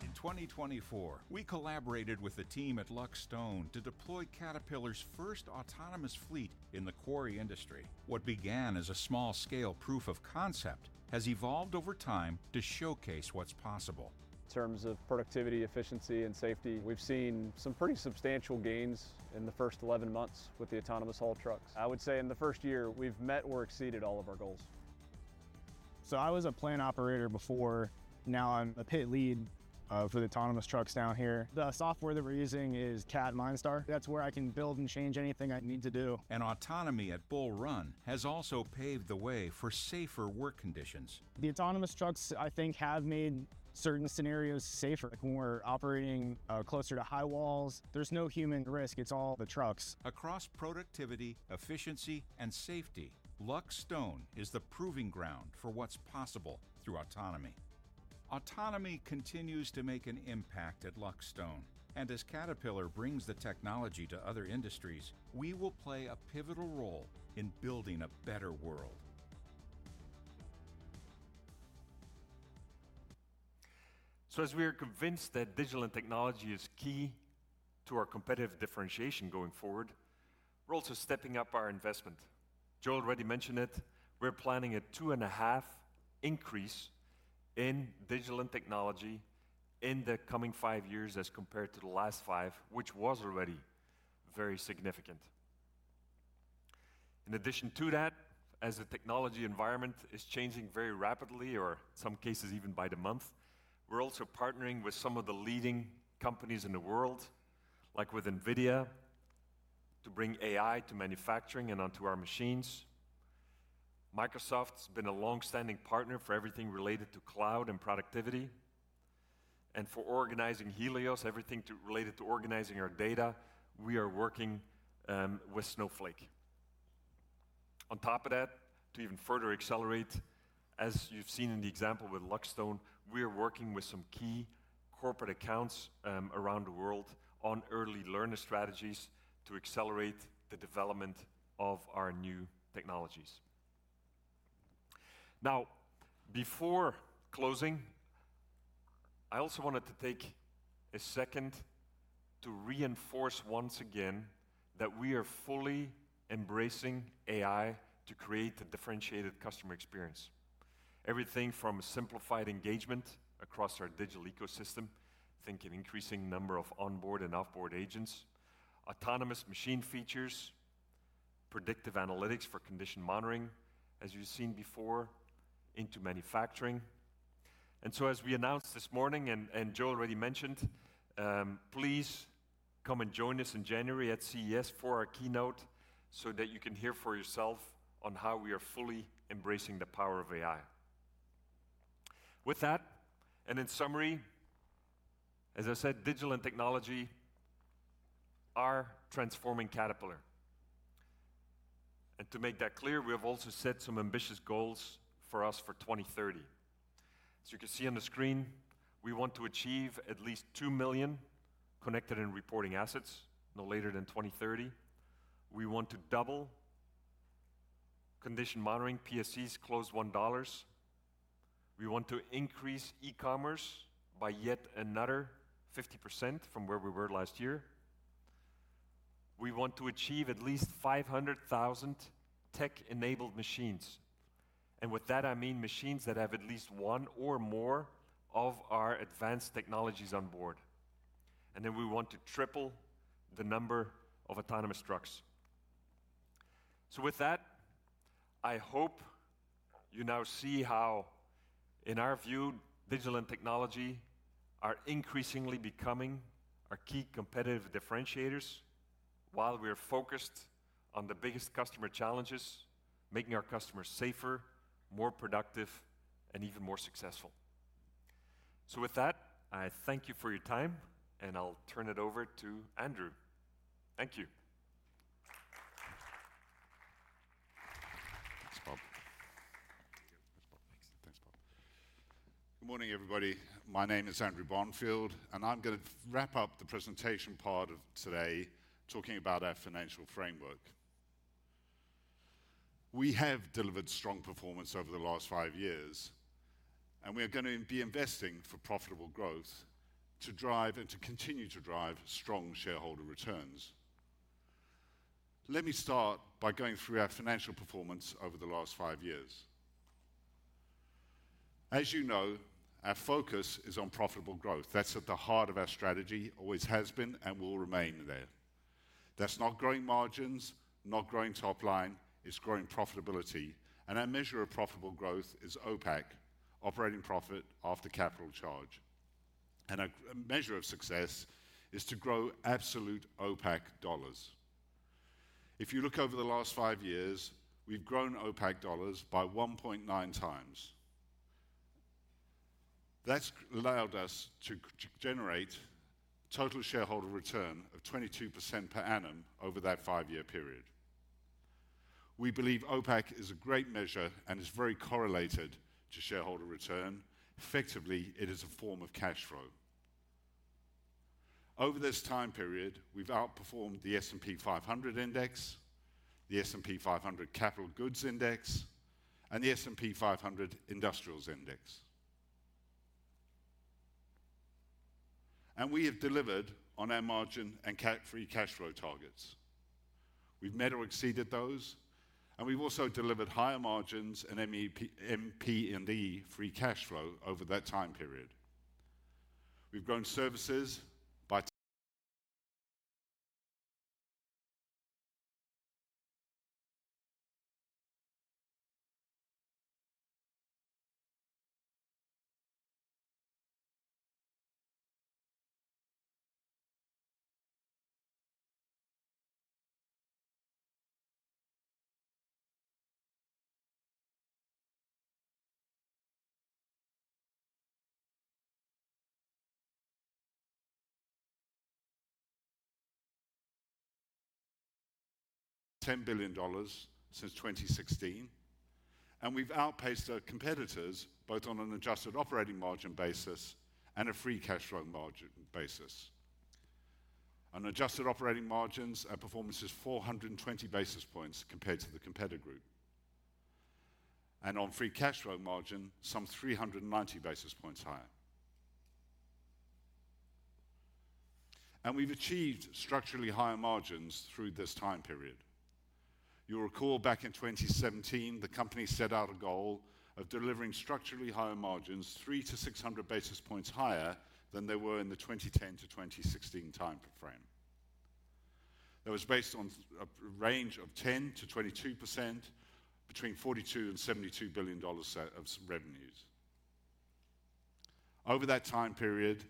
In 2024, we collaborated with the team at Luck Stone to deploy Caterpillar's first autonomous fleet in the quarry industry. What began as a small scale proof of concept has evolved over time to showcase what's possible in terms of productivity, efficiency and safety. We've seen some pretty substantial gains in the first 11 months with the autonomous haul trucks. I would say in the first year we've met or exceeded all of our goals. So I was a plant operator before. Now I'm a pit lead for the autonomous trucks down here. The software that we're using is Cat MineStar. That's where I can build and change anything I need to do, and autonomy at Bull Run has also paved the way for safer work conditions. The autonomous trucks, I think, have made certain scenarios safer. When we're operating closer to high walls, there's no human risk. It's all the trucks. Across productivity, efficiency and safety, Luck Stone is the proving ground for what's possible through autonomy. Autonomy continues to make an impact at Luck Stone, and as Caterpillar brings the technology to other industries, we will play a pivotal role in building a better world. So as we are convinced that digital and technology is key to our competitive differentiation going forward, we're also stepping up our investment. Joe already mentioned it. We're planning a two and a half increase in digital and technology in the coming five years as compared to the last five, which was already very significant. In addition to that, as the technology environment is changing very rapidly, in some cases even by the month, we're also partnering with some of the leading companies in the world, like with Nvidia, to bring AI to manufacturing and onto our machines. Microsoft's been a long-standing partner for everything related to cloud and productivity and for organizing Helios, everything related to organizing our data. We are working with Snowflake on top of that to even further accelerate. As you've seen in the example with Luck Stone, we are working with some key corporate accounts around the world on early learner strategies to accelerate the development of our new technologies. Now, before closing, I also wanted to take a second to reinforce once again that we are fully embracing AI to create a differentiated customer experience. Everything from simplified engagement across our digital ecosystem. Think an increasing number of onboard and off board agents, autonomous machine features, predictive analytics for condition monitoring, as you've seen before, into manufacturing. And so, as we announced this morning and Joe already mentioned, please come and join us in January at CES for our keynote so that you can hear for yourself on how we are fully embracing the power of AI. With that, and in summary, as I said, digital and technology are transforming Caterpillar. And to make that clear, we have also set some ambitious goals for us for 2030. As you can see on the screen, we want to achieve at least 2 million connected and reporting assets no later than 2030. We want to double condition monitoring PSCs, close $1. We want to increase e-commerce by yet another 50% from where we were last year. We want to achieve at least 500,000 tech-enabled machines. And with that, I mean machines that have at least one or more of our advanced technologies on board, and then we want to triple the number of autonomous trucks. So with that, I hope you now see how in our view, digital and technology are increasingly becoming our key competitive differentiators while we are focused on the biggest customer challenges, making our customers safer, more productive, and even more successful. So with that, I thank you for your time and I'll turn it over to Andrew. Thank you. Thanks, Bob. Good morning everybody. My name is Andrew Bonfield and I'm going to wrap up the presentation part of today talking about our financial framework. We have delivered strong performance over the last five years and we are going to be investing for profitable growth to drive and to continue to drive strong shareholder returns. Let me start by going through our financial performance over the last five years. As you know, our focus is on profitable growth. That's at the heart of our strategy, always has been and will remain there. That's not growing margins, not growing top line, it's growing profitability. And our measure of profitable growth is OPAC operating profit after capital charge. And a measure of success is to grow absolute OPAC dollars. If you look over the last five years we've grown OPAC dollars by 1.9x. That's allowed us to generate total shareholder return of 22% per annum over that five-year period. We believe OPAC is a great measure and is very correlated shareholder return. Effectively it is a form of cash flow. Over this time period we've outperformed the S&P 500 index, the S&P 500 capital goods index and the S&P 500 industrials index. And we have delivered on our margin and free cash flow targets. We've met or exceeded those and we've also delivered higher margins and MPD free cash flow over that time period. We've grown services by $10 billion since 2016 and we've outpaced our competitors both on an adjusted operating margin basis and a free cash flow margin basis. On adjusted operating margins, our performance is 420 basis points compared to the competitor group and on free cash flow margin, some 390 basis points higher. We've achieved structurally higher margins through this time period. You'll recall back in 2017, the company set out a goal of delivering structurally higher margins 3-600 basis points higher than they were in the 2010-2016 time frame. That was based on a range of 10%-22% between $42 billion and $72 billion of revenues. Over that time period,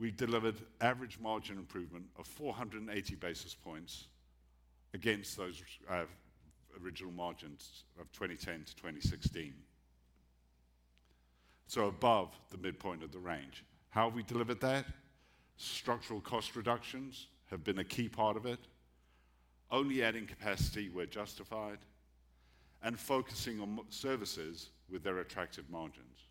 we delivered average margin improvement of 480 basis points against those original margins of 2010-2016. So above the midpoint of the range. How have we delivered that? Structural cost reductions have been a key part of it, only adding capacity where justified and focusing on services with their attractive margins.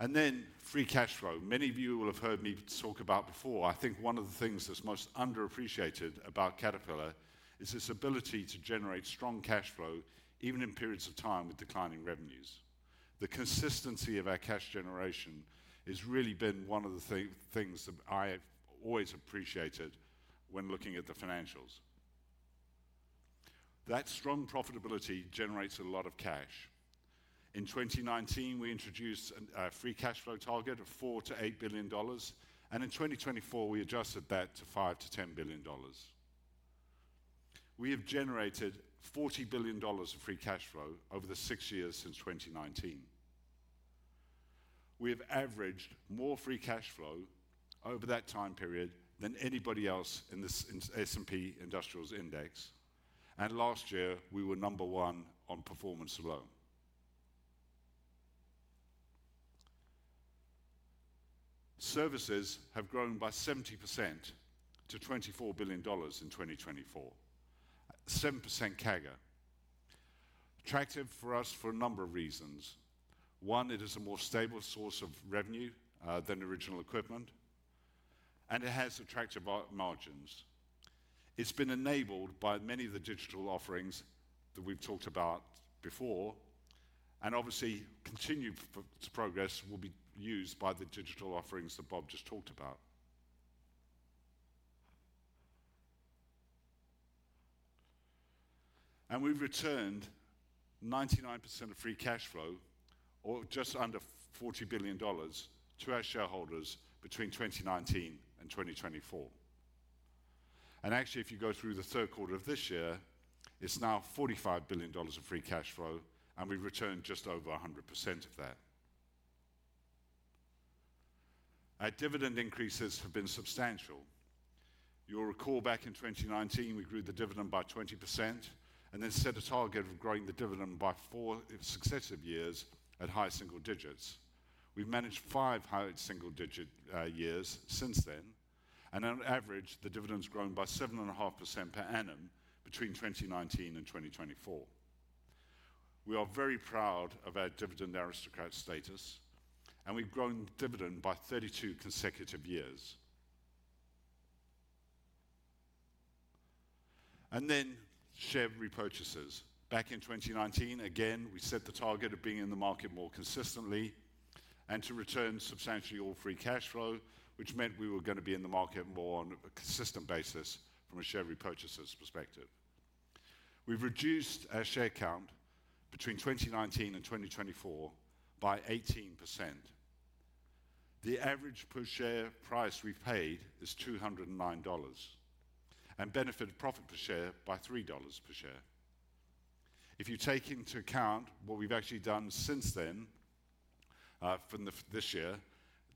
And then free cash flow many of you will have heard me talk about before. I think one of the things that's most underappreciated about Caterpillar is its ability to generate strong cash flow even in periods of time with declining revenues. The consistency of our cash generation has really been one of the things that I always appreciated when looking at the financials. That strong profitability generates a lot of cash. In 2019 we introduced a free cash flow target of $4 billion-$8 billion. In 2024 we adjusted that to $5 billion-$10 billion. We have generated $40 billion of free cash flow over the six years since 2019. We have averaged more free cash flow over that time period than anybody else in the S&P industrials index. Last year we were number one on performance. Services have grown by 70% to $24 billion in 2024. 7% CAGR attractive for us for a number of reasons. One, it is a more stable source of revenue than original equipment and it has attractive margins. It's been enabled by many of the digital offerings that we've talked about before and obviously continued progress will be used by the digital offerings that Bob just talked about. And we've returned 99% of free cash flow or just under $40 billion to our shareholders between 2019 and 2024. And actually if you go through the third quarter of this year, it's now $45 billion of free cash flow and we've returned just over 100% of that. Our dividend increases have been substantial. You'll recall back in 2019 we grew the dividend by 20% and then set a target of growing the dividend by four successive years at high single digits. We've managed five high single-digit years since then and on average the dividend has grown by 7.5% per annum between 2019 and 2024. We are very proud of our dividend aristocrat status, and we've grown dividend by 32 consecutive years and then share repurchases. Back in 2019 again, we set the target of being in the market more consistently and to return substantially all free cash flow, which meant we were going to be in the market more on a consistent basis from a share repurchaser's perspective. We've reduced our share count between 2019 and 2024 by 18%. The average per share price we paid is $209 and benefited profit per share by $3 per share. If you take into account what we've actually done since then from this year,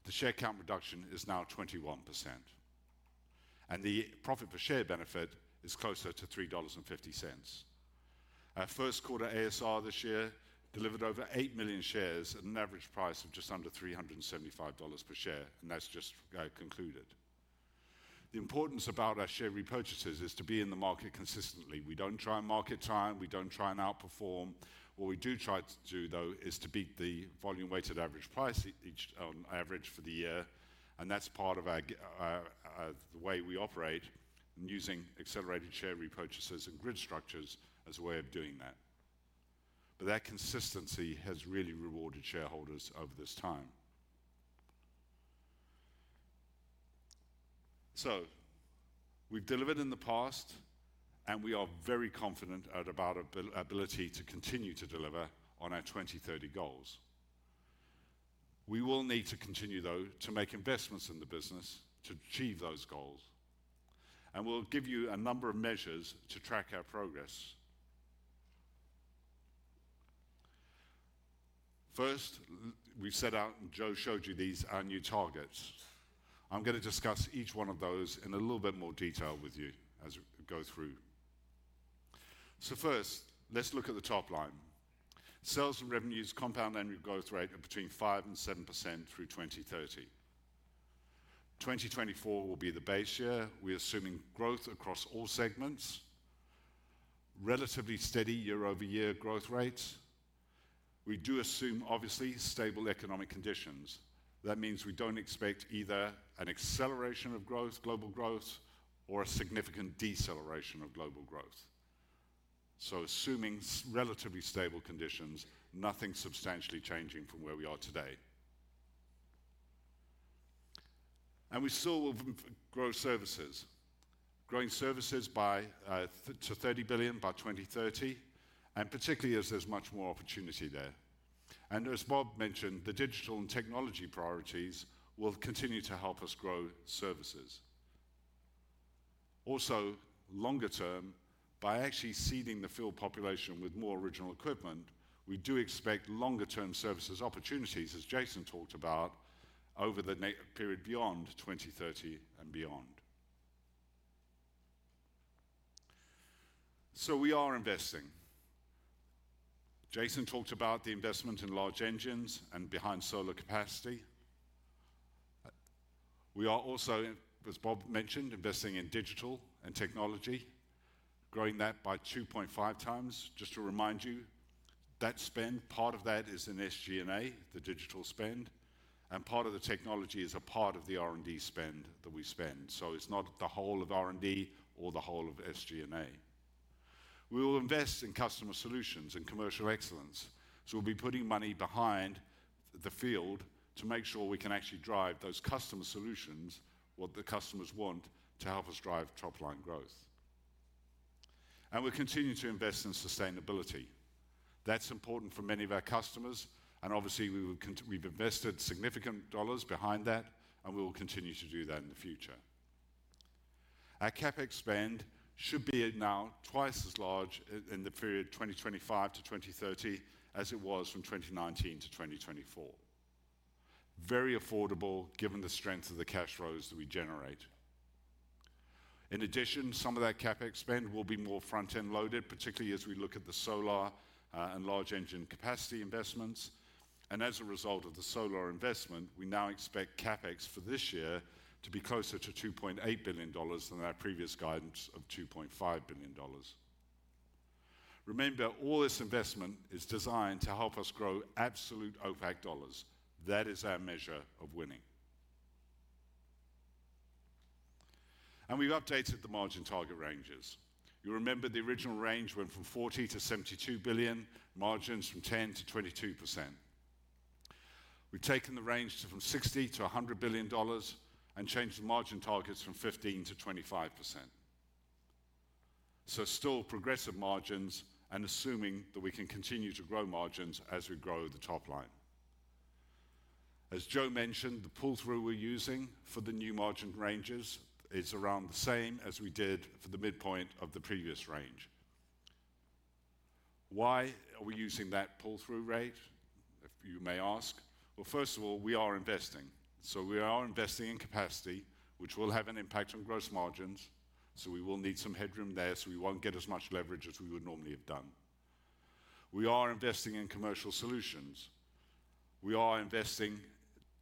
the share count reduction is now 21% and the profit per share benefit is closer to $3.50. Our first quarter ASR this year delivered over eight million shares at an average price of just under $375 per share, and that's just concluded. The importance about our share repurchases is to be in the market consistently. We don't try and market time, we don't try and outperform. What we do try to do though is to beat the volume weighted average price each on average for the year, and that's part of the way we operate using accelerated share repurchases and grid structures as a way of doing that, but that consistency has really rewarded shareholders over this time, so we've delivered in the past and we are very confident about our ability to continue to deliver on our 2030 goals. We will need to continue though to make investments in the business to achieve those goals and we'll give you a number of measures to track our progress. First we set out and Joe showed you these annual targets. I'm going to discuss each one of those in a little bit more detail with you as we go through. So first let's look at the top line sales and revenues compound annual growth rate of between 5% and 7% through 2030. 2024 will be the base year. We assuming growth across all segments, relatively steady year over year growth rates. We do assume obviously stable economic conditions. That means we don't expect either an acceleration of growth, global growth or a significant deceleration of global growth. So assuming relatively stable conditions, nothing substantially changing from where we are today. And we still will grow services, growing services by $3 billion-$30 billion by 2030 and particularly as there's much more opportunity there. And as Bob mentioned, the digital and technology priorities will continue to help us grow services also longer term by actually seeding the field population with more original equipment. We do expect longer term services opportunities as Jason talked about over the period beyond 2030 and beyond. So we are investing. Jason talked about the investment in large engines and expanding Solar capacity. We are also, as Bob mentioned, investing in digital and technology, growing that by 2.5x. Just to remind you that spend, part of that, is in SG&A. The digital spend, part of the technology is a part of the R&D spend that we spend. So it's not the whole of R&D or the whole of SG&A. We will invest in customer solutions and commercial excellence. So we'll be putting money behind the field to make sure we can actually drive those customer solutions. What the customers want to help us drive top line growth. And we'll continue to invest in sustainability. That's important for many of our customers and obviously we've invested significant dollars behind that and we will continue to do that in the future. Our CapEx spend should be now twice as large in the period 2025-2030 as it was from 2019-2024. Very affordable given the strength of the cash flows that we generate. In addition, some of that CapEx spend will be more fully front end loaded, particularly as we look at the Solar and large engine capacity investments. And as a result of the solar investment, we now expect CapEx for this year to be closer to $2.8 billion than our previous guidance of $2.5 billion. Remember all this investment is designed to help us grow absolute OPAC dollars. That is our measure of winning. And we've updated the margin target ranges. You remember the original range went from $40 billion-$72 billion, margins from 10%-22%. We've taken the range from $60 billion-$100 billion and changed the margin targets from 15%-25%. So still progressive margins. And assuming that we can continue to grow margins as we grow the top line. As Joe mentioned, the pull through we're using for the new margin ranges is around the same as we did for the midpoint of the previous range. Why are we using that pull through rate, you may ask? Well, first of all, we are investing, so we are investing in capacity, which will have an impact on gross margins, so we will need some headroom there so we won't get as much leverage as we would normally have done. We are investing in commercial solutions. We are investing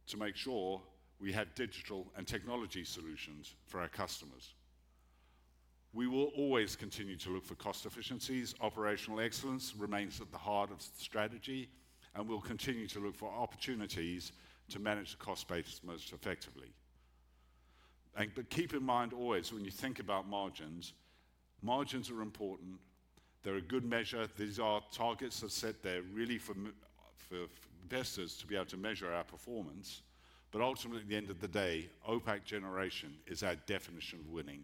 to make sure we have digital and technology solutions for our customers. We will always continue to look for cost efficiencies. Operational excellence remains at the heart of the strategy and we'll continue to look for opportunities to manage the cost basis most effectively, but keep in mind, always when you think about margins, margins are important. They're a good measure. These targets are set. They're really for investors to be able to measure our performance. But ultimately, at the end of the day, OPAC generation is our definition of winning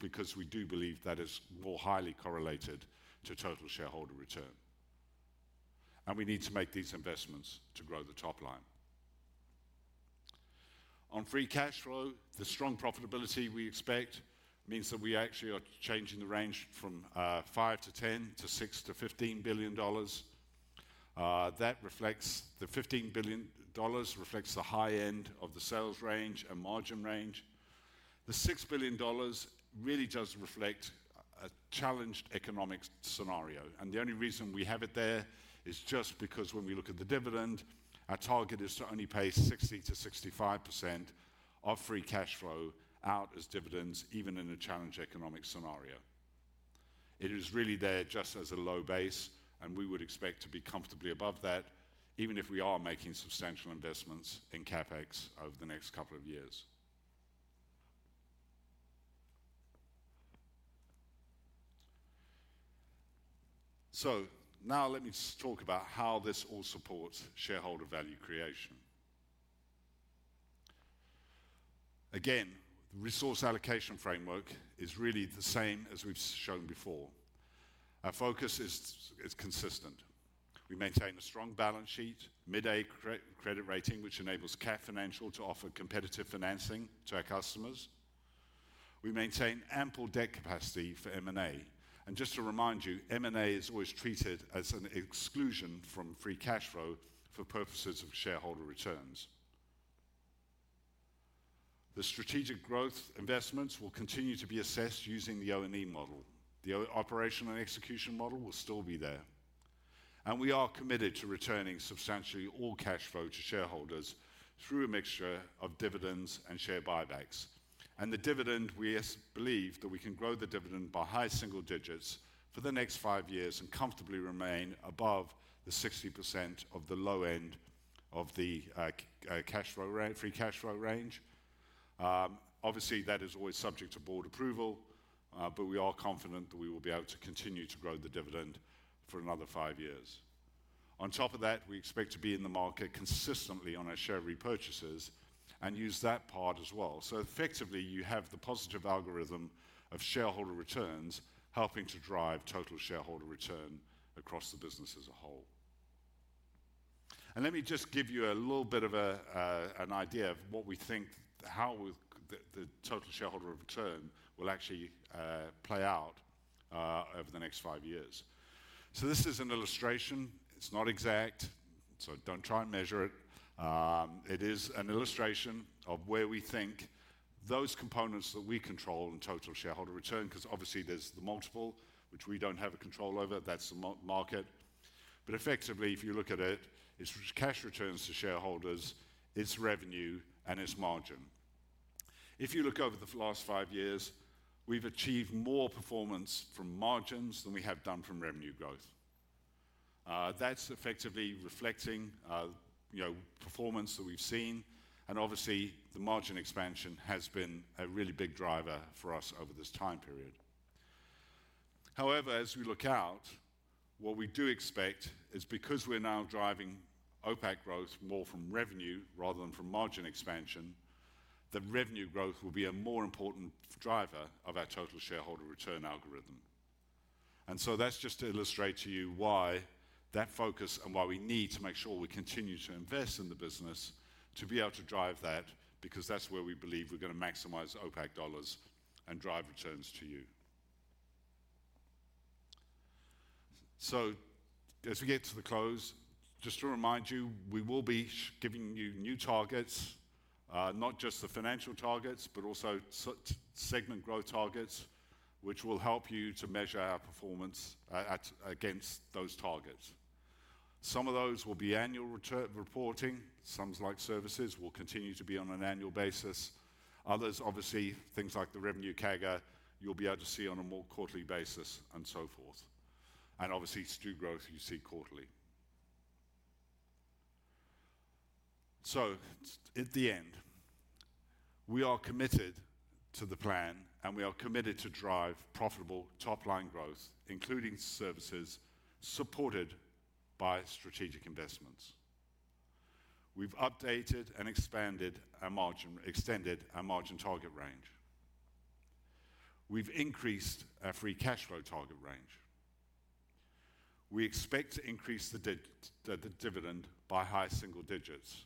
because we do believe that is more highly correlated to total shareholder return. And we need to make these investments to grow the top line on free cash flow. The strong profitability we expect means that we actually are changing the range from $5 billion-$10 billion to $6 billion-$15 billion. That reflects the $15 billion reflects the high end of the sales range and margin range. The $6 billion really does reflect a challenged economic scenario. And the only reason we have it there is just because when we look at the dividend, our target is to only pay 60%-65% of free cash flow out as dividends. Even in a challenging economic scenario, it is really there just as a low base and we would expect to be comfortably above that even if we are making substantial investments in CapEx over the next couple of years. So now let me talk about how this all supports shareholder value creation. Again, the resource allocation framework is really the same as we've shown before. Our focus is consistent. We maintain a strong balance sheet mid-A credit rating which enables Cat Financial to offer competitive financing to our customers. We maintain ample debt capacity for M&A. And just to remind you, M&A is always treated as an exclusion from free cash flow for purposes of shareholder returns. The strategic growth investments will continue to be assessed using the ROE model. The operational execution model will still be there and we are committed to returning substantially all cash flow to shareholders through a mixture of dividends and share buybacks and the dividend. We believe that we can grow the dividend by high single digits for the next five years and comfortably remain above the 60% of the low end of the cash flow rate, free cash flow range. Obviously that is always subject to board approval, but we are confident that we will be able to continue to grow the dividend for another five years. On top of that, we expect to be in the market consistently on our share repurchases and use that part as well. So effectively you have the positive allocation of shareholder returns helping to drive total shareholder return across the business as a whole. Let me just give you a little bit of an idea of what we think how the total shareholder return will actually play out over the next five years. This is an illustration, it's not exact, so don't try and measure. It's an illustration of where we think those components that we control in total shareholder return because obviously there's the multiple which we don't have a control over, that's the market. Effectively if you look at it, it's cash returns to shareholders, its revenue and its margin. If you look over the last five years, we've achieved more performance from margins than we have done from revenue growth. That's effectively reflecting performance that we've seen. Obviously the margin expansion has been a really big driver for us over this time period. However, as we look out, what we do expect is because we're now driving OPAC growth more from revenue rather than from margin expansion, that revenue growth will be a more important driver of our total shareholder return algorithm. And so that's just to illustrate to you why that focus and why we need to make sure we continue to invest in the business to be able to drive that, because that's where we believe we're going to maximize OPAC dollars and drive returns to you. So as we get to the close, just to remind you, we will be giving you new targets, not just the financial targets, but also segment growth targets which will help you to measure our performance against those targets. Some of those will be annual reporting sums like services will continue to be on an annual basis. Others, obviously, things like the revenue CAGR you'll be able to see on a more quarterly basis and so forth, and obviously new growth you see quarterly, so at the end we are committed to the plan and we are committed to drive profitable top line growth, including services supported by strategic investments. We've updated and expanded our margin, extended our margin target range. We've increased our free cash flow target range. We expect to increase the dividend by high single digits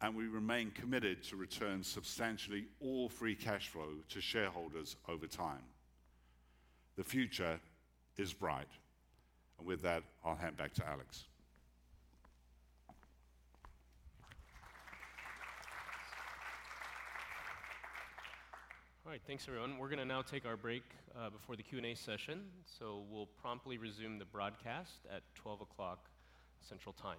and we remain committed to return substantially all free cash flow to shareholders over time. The future is bright, and with that I'll hand back to Alex. All right, thanks everyone. We're going to now take our break before the Q and A session. So we'll promptly resume the broadcast at 12:00 P.M. Central Time.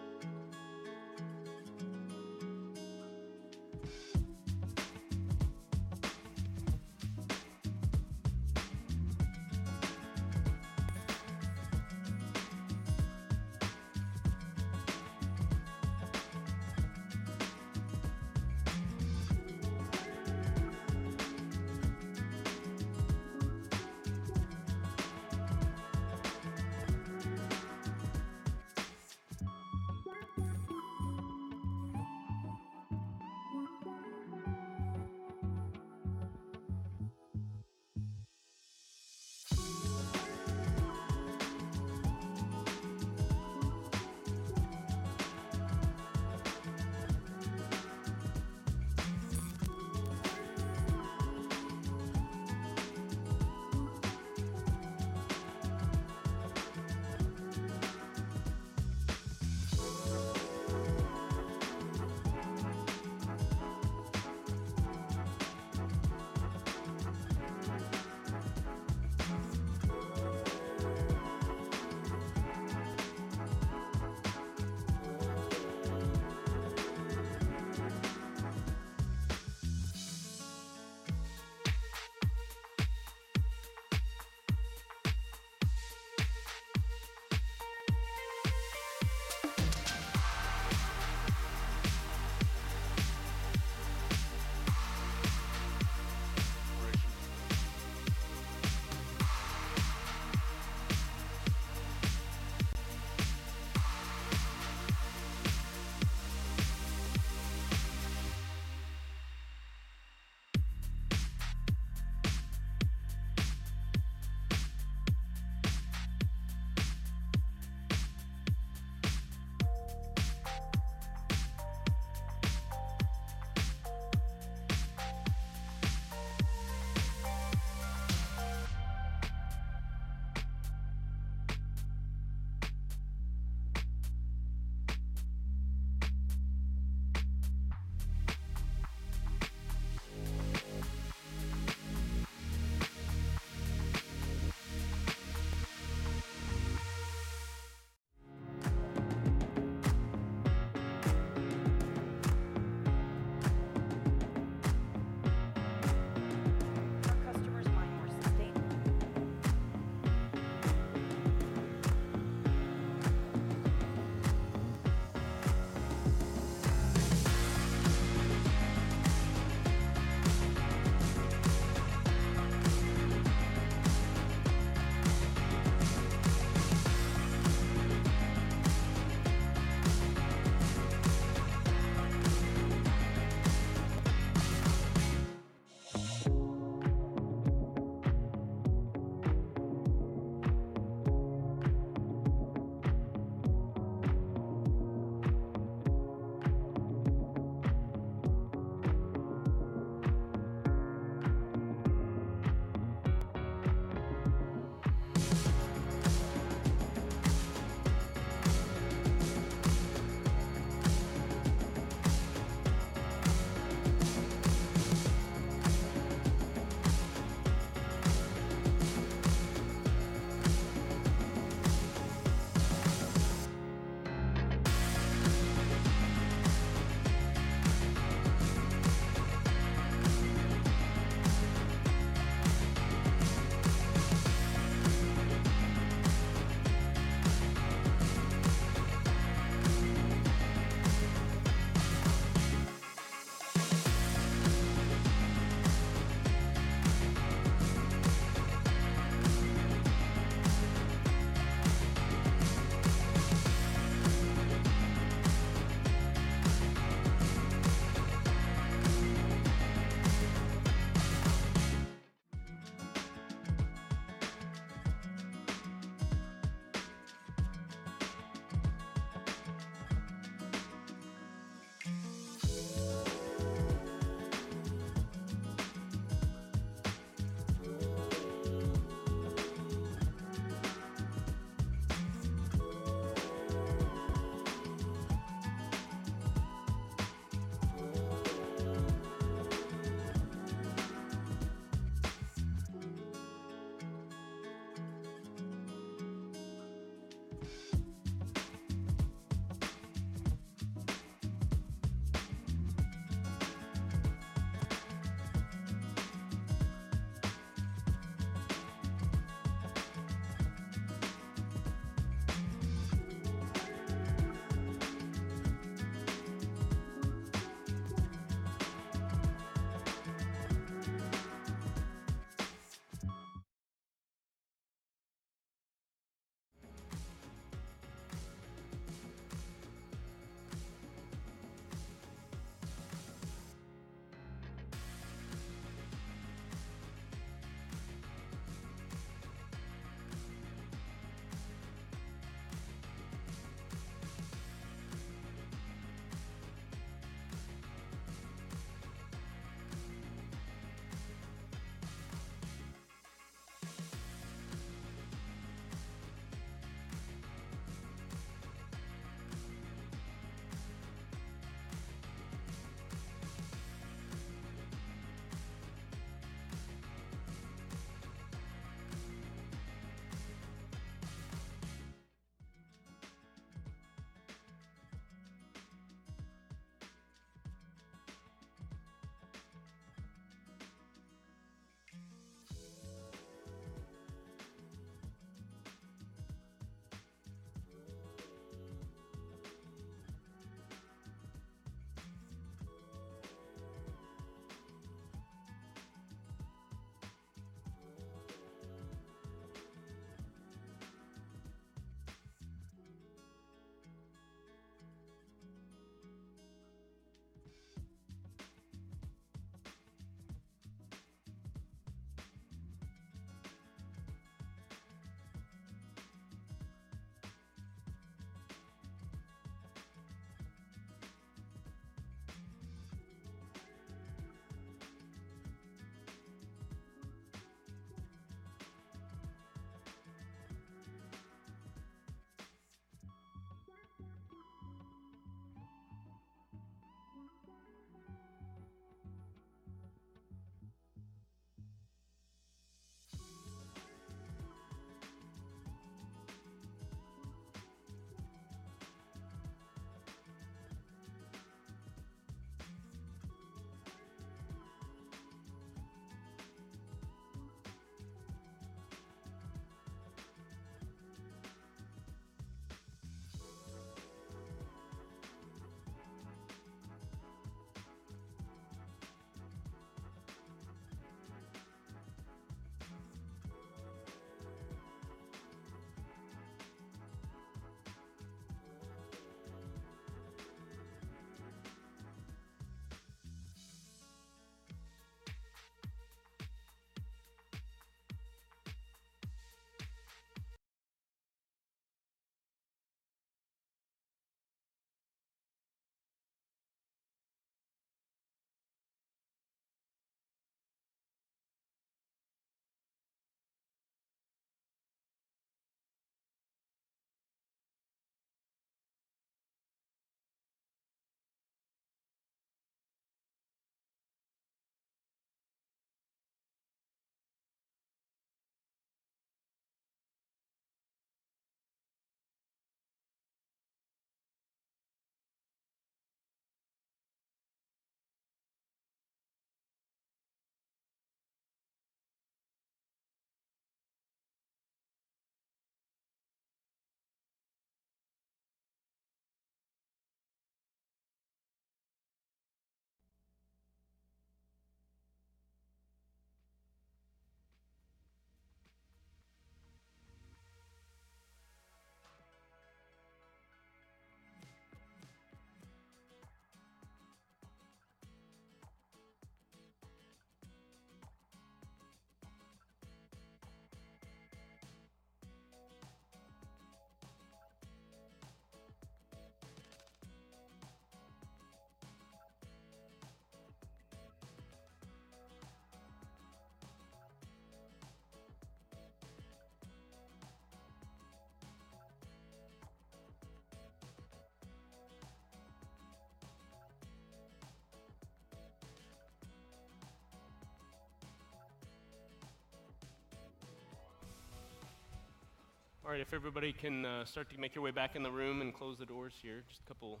All right, if everybody can start to make your way back in the room and close the doors here. Just a couple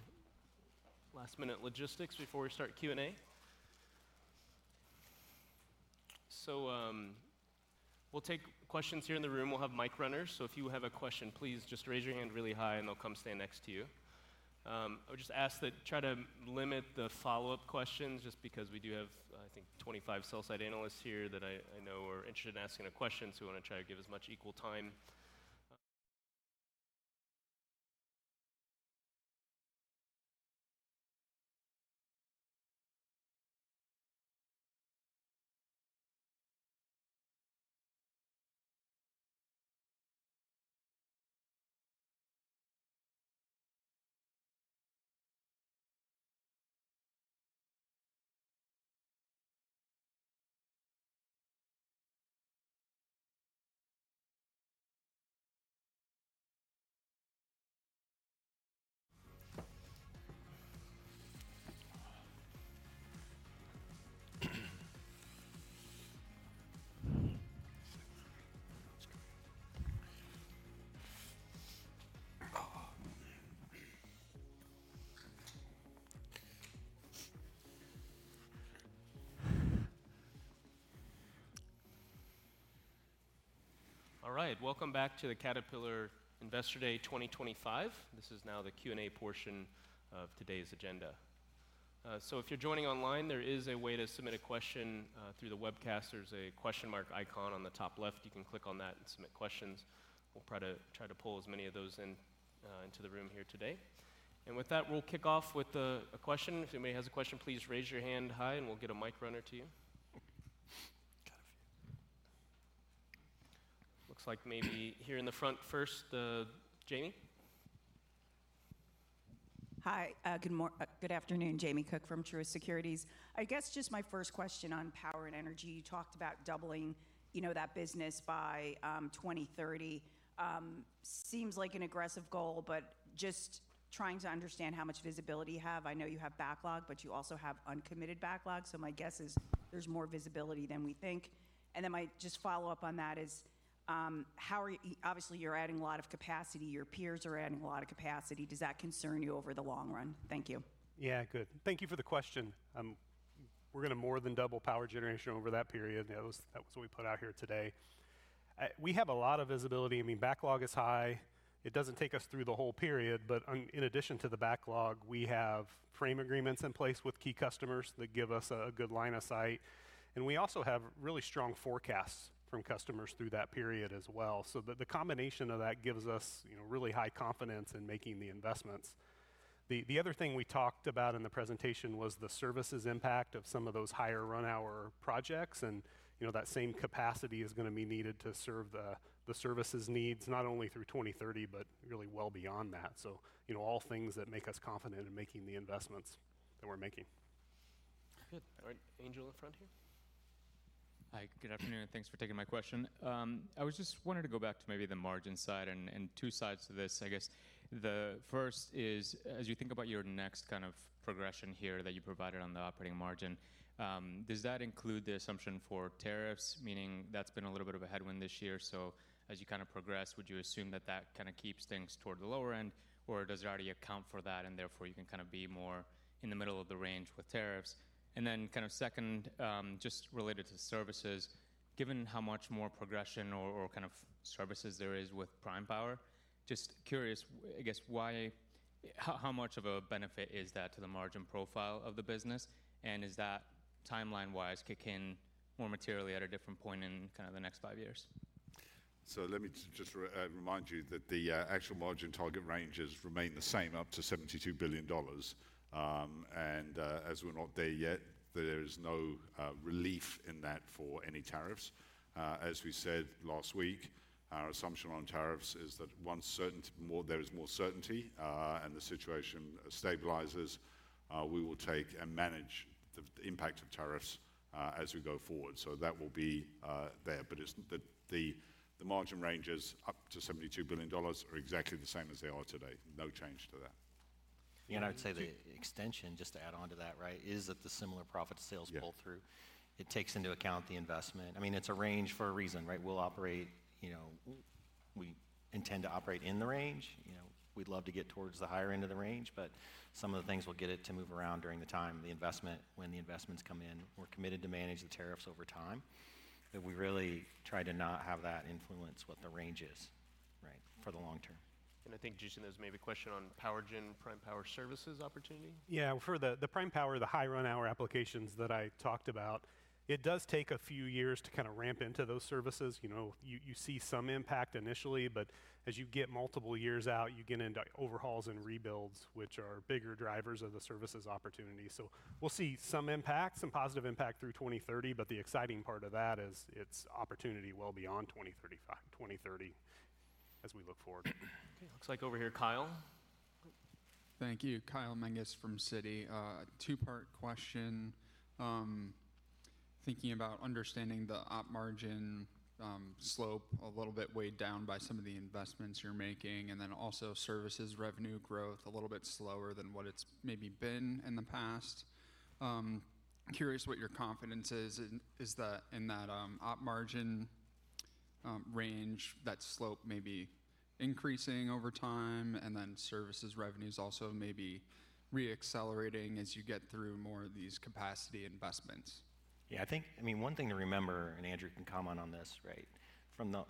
last-minute logistics before we start Q&A. So we'll take questions here in the room. We'll have mic runners, so if you have a question, please just raise your hand really high and they'll come stand next to you. I would just ask that, try to limit the follow-up questions just because we do have, I think 25 sell-side analysts here that I know are interested in asking a question. So we want to try to give as much equal time. All right, welcome back to the Caterpillar Investor Day 2025. This is now the Q and A portion of today's agenda. So if you're joining online, there is a way to submit a question through the webcast. There's a question mark icon on the top left. You can click on that and submit questions. We'll try to pull as many of those into the room here today. And with that, we'll kick off with a question. If anybody has a question, please raise your hand high and we'll get a mic runner to you. Got a few, looks like maybe here in the front first. Jamie. Hi. Good afternoon. Jamie Cook from Truist Securities. I guess just my first question on power and energy. You talked about doubling, you know, that business by 2030 seems like an aggressive goal, but just trying to understand how much visibility you have. I know you have backlog, but you also have uncommitted backlog. So my guess is there's more visibility than we think. And then my just follow up on that is how are obviously you're adding a lot of capacity. Your peers are adding a lot of capacity. Does that concern you over the long run? Thank you. Yeah, good. Thank you for the question. We're going to more than double power generation over that period. That was what we put out here today. We have a lot of visibility. I mean, backlog is high. It doesn't take us through the whole period. But in addition to the backlog, we have frame agreements in place with key customers that give us a good line of sight and we also have really strong forecasts from customers through that period as well. So the combination of that gives us really high confidence in making the investments. The other thing we talked about in the presentation was the services impact of some of those higher run hour projects. And that same capacity is going to be needed to serve the services needs not only through 2030, but really well beyond that. So, you know, all things that make us confident in making the investments that we're making. Good. All right, analyst in front here. Hi, good afternoon and thanks for taking my question. I was just wanting to go back to maybe the margin side and two sides to this. I guess the first is as you think about your next kind of progression here that you provided on the operating margin, does that include the assumption for tariffs, meaning that's been a little bit of a headwind this year. So as you kind of progress, would you assume that that kind of keeps things toward the lower end or does it already account for that and therefore you can kind of be more in the middle of the range with tariffs and then kind of second, just related to services, given how much more progression or kind of services there is with Prime Power. Just curious, I guess, why, how much of a benefit is that to the margin profile of the business and is that timeline wise kick in more materially at a different point in kind of the next five years? So let me just remind you that the actual margin target ranges remain the same up to $72 billion. And as we're not there yet, there is no relief in that for any tariffs. As we said last week, our assumption on tariffs is that once certain there is more certainty and the situation stabilizes. We will take and manage the impact of tariffs as we go forward. So that will be there. But it's the margin ranges up to $72 billion are exactly the same as they are today. No change to that. And I would say the extension just to add on to that. Right. Is that the similar profit sales pull through it takes into account the investment. I mean, it's a range for a reason. Right. We'll operate, you know we intend to operate in the range. You know we'd love to get towards the higher end of the range but some of the things will get it to move around during the time the investment when the investments come in. We're committed to manage the tariffs over time but we really try to not have that influence what the range is. Right. For the long term. And I think Jason, there's maybe a question on power gen prime power services opportunity. Yeah. For the prime power, the high-hour applications that I talked about, it does take a few years to kind of ramp into those services. You know you see some impact initially but as you get multiple years out you get into overhauls and rebuilds which are bigger drivers of the services opportunity. So we'll see some impact, some positive impact through 2030. But the exciting part of that is it's opportunity well beyond 2035. 2030 as we look forward. Okay, looks like over here Kyle. Thank you. Kyle Menges from Citi. Two part question thinking about understanding the OP margin slope. A little bit weighed down by some of the investments you're making. And then also services revenue growth a little bit slower than what it's maybe been in the past. Curious what your confidence is in that op margin range. That slope may be increasing over time and then services revenues also may be re-accelerating as you get through more of these capacity investments. Yeah, I think, I mean one thing to remember and Andrew can comment on this right from the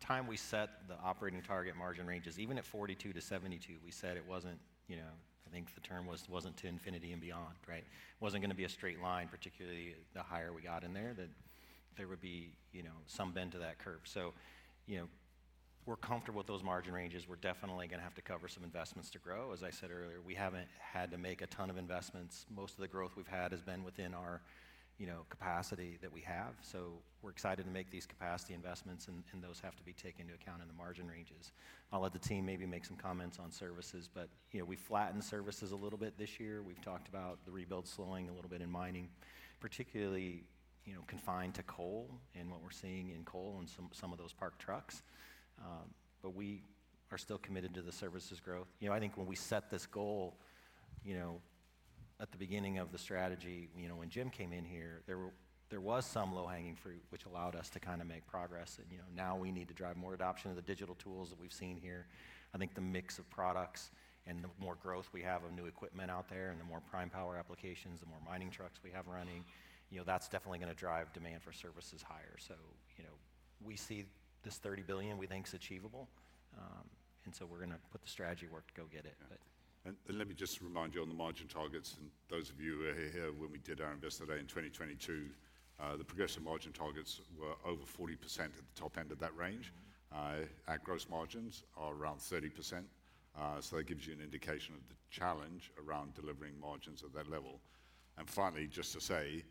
time we set the operating target margin ranges even at 42-72 we said it wasn't, you know I think the term was wasn't to infinity and beyond. Right. Wasn't going to be a straight line, particularly the higher we got in there that there would be, you know, some bend to that curve. So, you know, we're comfortable with those margin ranges. We're definitely going to have to cover some investments to grow. As I said earlier, we haven't had to make a ton of investments. Most of the growth we've had has been within our, you know, capacity that we have. So we're excited to make these capacity investments and those have to be taken into account in the margin ranges. I'll let the team maybe make some comments on services, but you know, we flattened services a little bit this year. We've talked about the rebuild slowing a little bit in mining particularly, you know, confined to coal and what we're seeing in coal and slow some of those parked trucks. But we are still committed to the services growth. You know, I think when we set this goal, you know, at the beginning of the strategy, you know, when Jim came in here, there was some low-hanging fruit which allowed us to kind of make progress, and you know, now we need to drive more adoption of the digital tools that we've seen here. I think the mix of products and the more growth we have of new equipment out there and the more prime power applications, the more mining trucks we have running, you know, that's definitely going to drive demand for services higher. So, you know, we see this $30 billion we think is achievable. And so we're going to put the strategy work to go get it. Let me just remind you on the margin targets and those of you here, when we did our Investor Day in 2022, the progressive margin targets were over 40%. At the top end of that range, our gross margins are around 30%. So that gives you an indication of the challenge around delivering margins at that level. And finally, just to say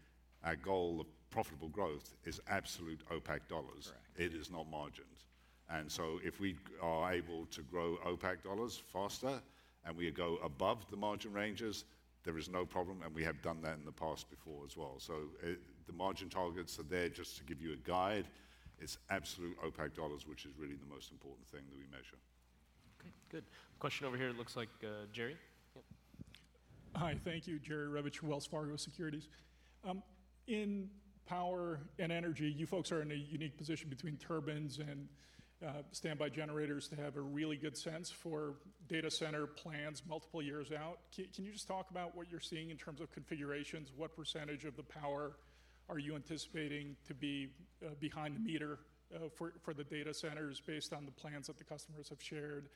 our goal of profitable growth is absolute OPAC dollars, it is not margins. And so if we are able to grow OPAC dollars faster and we go above the margin ranges, there is no problem. And we have done that in the past before as well. So the margin targets are there just to give you a guide. It's absolute OPAC dollars, which is really the most important thing that we measure. Okay, good question. Over here, looks like Jerry. Hi, thank you. Jerry Revich, Wells Fargo Securities in power and energy. You folks are in a unique position between turbines and standby generators to have a really good sense for data center plans multiple years out. Can you just talk about what you're seeing in terms of configurations, what percentage of the power are you anticipating to be behind the meter for the data centers based on the plans that the customers have shared?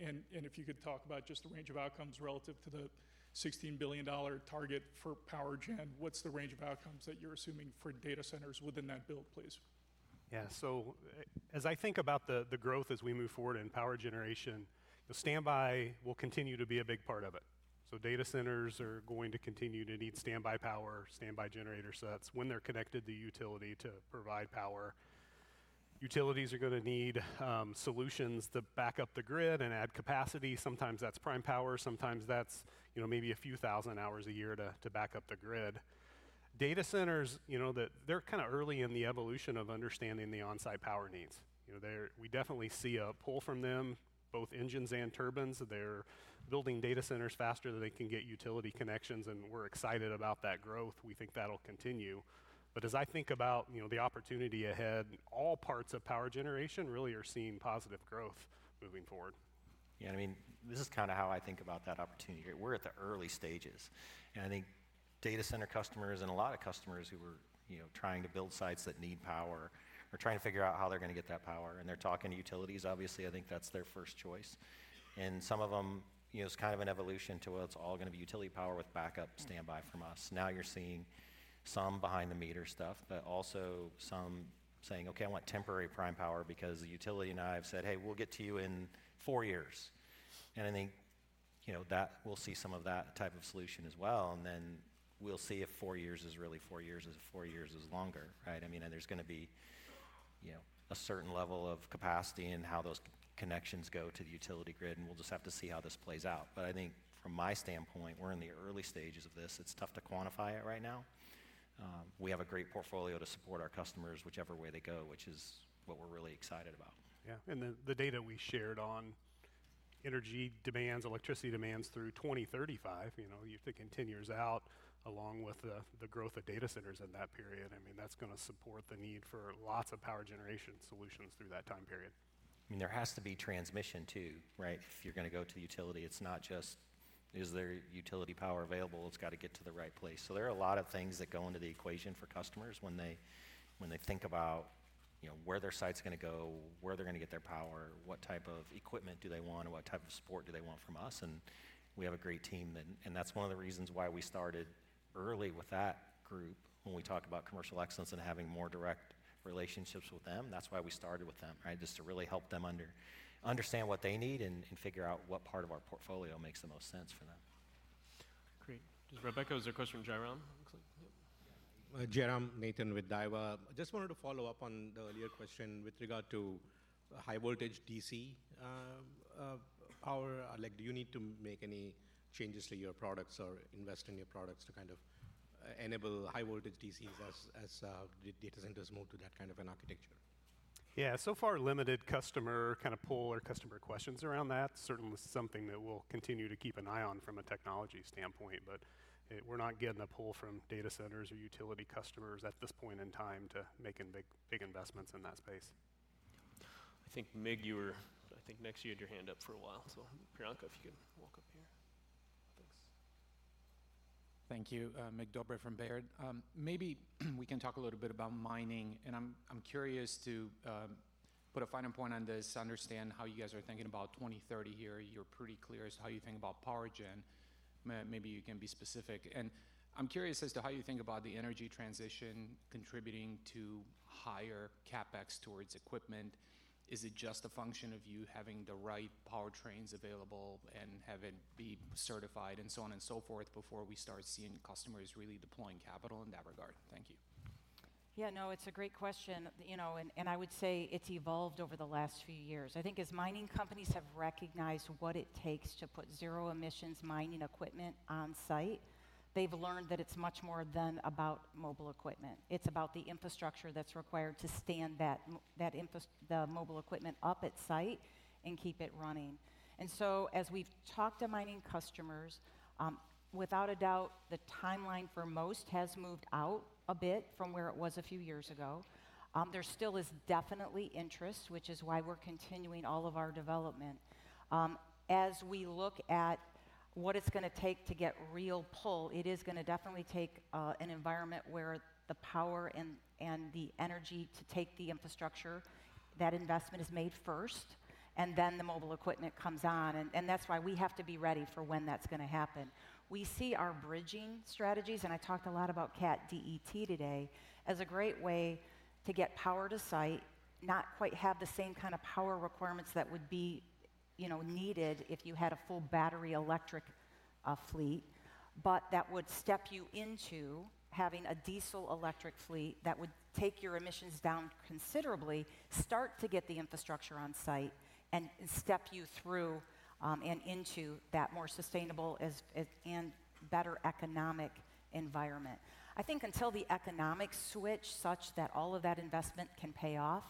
And if you could talk about just the range of outcomes relative to the $16 billion target for power gen, what's the range of outcomes that you're assuming for data centers within that build, please? Yeah. So as I think about the growth as we move forward in power generation, the standby will continue to be a big part of it. So data centers are going to continue to need standby power. Standby. Standby generator sets when they're connected to utility to provide power. Utilities are gonna need solutions to back up the grid and add capacity. Sometimes that's prime power. Sometimes that's maybe a few thousand hours a year to back up the grid. Data centers, they're kind of early in the evolution of understanding the onsite power needs. We definitely see a pull from them, both engines and turbines. They're building data centers faster than they can get utility connections. And we're excited about that growth. We think that'll continue. But as I think about the opportunity ahead, all parts of power generation really are seeing positive growth moving forward. Yeah, I mean, this is kind of how I think about that opportunity. We're at the early stages, and I think data center customers and a lot of customers who were trying to build sites that need power are trying to figure out how they're going to get that power. And they're talking to utilities, obviously, I think that's their first choice. And some of them, you know, it's kind of an evolution to what's all going to be utility power with backup standby from us. Now you're seeing some behind the meter stuff, but also some saying, okay, I want temporary prime power. Because the utility and I have said, hey, we'll get to you in four years. And I think, you know, that we'll see some of that type of solution as well. And then we'll see if four years is really. Four years is four years is longer. Right. I mean, and there's going to be, you know, a certain level of capacity and how those connections go to the utility grid. And we'll just have to see how this plays out. But I think from my standpoint, we're in the early stages of this. It's tough to quantify it. Right now we have a great portfolio to support our customers whichever way they go, which is what we're really excited about. Yeah. The data we shared on energy demands, electricity demands through 2035, you know, you're thinking 10 years out, along with the growth of data centers in that period. I mean, that's going to support the need for lots of power generation solutions through that time period. I mean, there has to be transmission too, right? If you're going to go to utility, it's not just, is there utility power available; it's got to get to the right place. So there are a lot of things that go into the equation for customers when they think about, you know, where their site's going to go, where they're going to get their power, what type of equipment do they want and what type of support do they want from us, and we have a great team and that's one of the reasons why we started early with that group. When we talk about commercial excellence and having more direct relationships with them, that's why we started with them. Right. Just to really help them understand what they need and figure out what part of our portfolio makes the most sense for them. Great. Rebecca, is there a question from Jayram? Jayram Nathan with Daiwa. I just wanted to follow up on the earlier question with regard to high voltage DC power. Like, do you need to make any changes to your products or invest in your products to kind of enable high voltage DC's as data centers move to that kind of an architecture? Yeah, so far limited customer kind of pull or customer questions around that. Certainly something that we'll continue to keep an eye on from a technology standpoint. But we're not getting a pull from data centers or utility customers at this point in time to making big, big investments in that space. I think you were, I think next you had your hand up for a while. So Priyanka, if you can walk up here. Thanks. Thank you. Mircea Dobre from Baird, maybe we can talk a little bit about mining and I'm curious to put a finer point on this, understand how you guys are thinking about 2030 here. You're pretty clear as how you think about power gen. Maybe you can be specific and I'm curious as to how you think about the energy transition contributing to higher CapEx towards equipment. Is it just a function of you having the right powertrains available and have it be certified and so on and so forth before we start seeing customers really deploying capital in that regard. Thank you. Yeah, no, it's a great question, you know, and I would say it's evolved over the last few years. I think as mining companies have recognized what it takes to put zero emissions mining equipment on site, they've learned that it's much more than about mobile equipment. It's about the infrastructure that's required to stand the mobile equipment up at site and keep it running. And so as we've talked to mining customers, without a doubt the timeline for most has moved out a bit from where it was a few years ago. There still is definitely interest which is why we're continuing all of our development. As we look at what it's going to take to get real pull, it is going to definitely take an environment where the power and the energy to take the infrastructure. That investment is made first and then the mobile equipment comes on, and that's why we have to be ready for when that's going to happen. We see our bridging strategies, and I talked a lot about Cat DET today as a great way to get power to site. Not quite have the same kind of power requirements that would be, you know, needed if you had a full battery electric fleet, but that would step you into having a diesel electric fleet that would take your emissions down considerably, start to get the infrastructure on site, and step you through and into that more sustainable and better economic environment. I think until the economics switch such that all of that investment can pay off,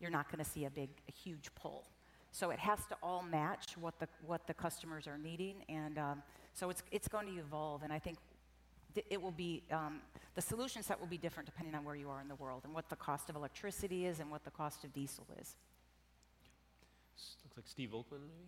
you're not going to see a big huge pull, so it has to all match what the customers are needing. And so it's going to evolve and I think it will be, the solution set will be different depending on where you are in the world and what the cost of electricity is and what the cost of diesel is. Steve Volkmann, maybe.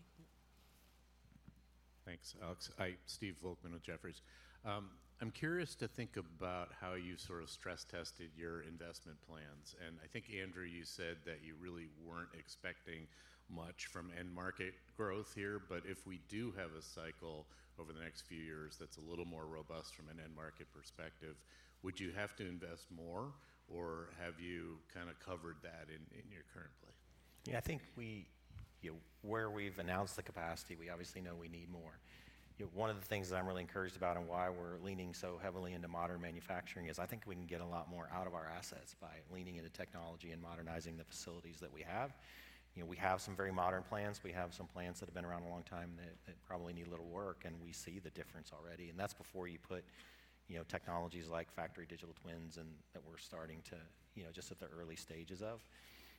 Thanks, Alex. Steve Volkmann with Jefferies. I'm curious to think about how you sort of stress tested your investment plans. And I think Andrew, you said that you really weren't expecting much from end market growth here. But if we do have a cycle over the next few years that's a little more robust from an end market. Perspective, would you have to invest more or have you kind of covered that in your current play? Yeah, I think we, where we've announced the capacity, we obviously know we need more. One of the things that I'm really encouraged about and why we're leaning so heavily into modern manufacturing is I think we can get a lot more out of our assets by leaning into technology and modernizing the facilities that we have. You know, we have some very modern plants. We have some plants that have been around a long time that probably need little work and we see the difference already. And that's before you put you know, technologies like factory digital twins and that we're starting to, you know, just at the early stages of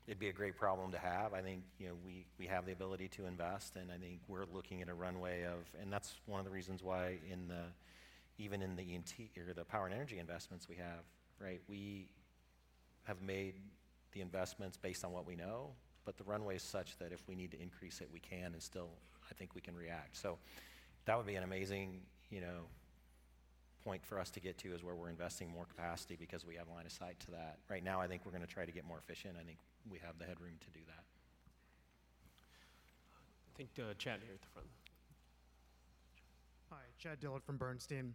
it'd be a great problem to have. I think, you know, we, we have the ability to invest and I think we're looking at a runway of and that's one of the reasons why in the, even in the interim, the power and energy investments we have. Right. We have made the investments based on what we know, but the runway is such that if we need to increase it, we can and still I think we can react. So that would be an amazing, you know, point for us to get to is where we're investing more capacity because we have line of sight to that right now. I think we're going to try to get more efficient. I think we have the headroom to do that. Chad here at the front. Hi, Charles Dillard from Bernstein.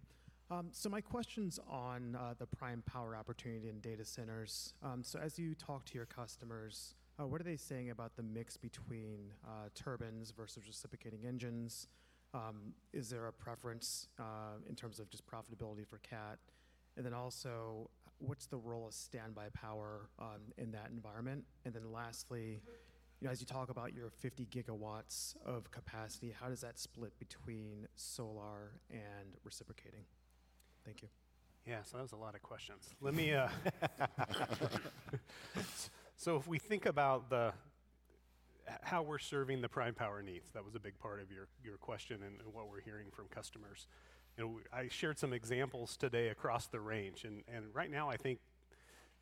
So my question's on the prime power opportunity in data centers. So as you talk to your customers, what are they saying about the mix between turbines versus reciprocating engines? Is there a preference in terms of just profitability for Cat? And then also what's the role of standby power in that environment? And then lastly, as you talk about your 50 GW of capacity, how does that split between Solar and reciprocating? Thank you. Yeah, so that was a lot of questions. So if we think about how we're serving the prime power needs, that was a big part of your question and what we're hearing from customers. I shared some examples today across the range and right now I think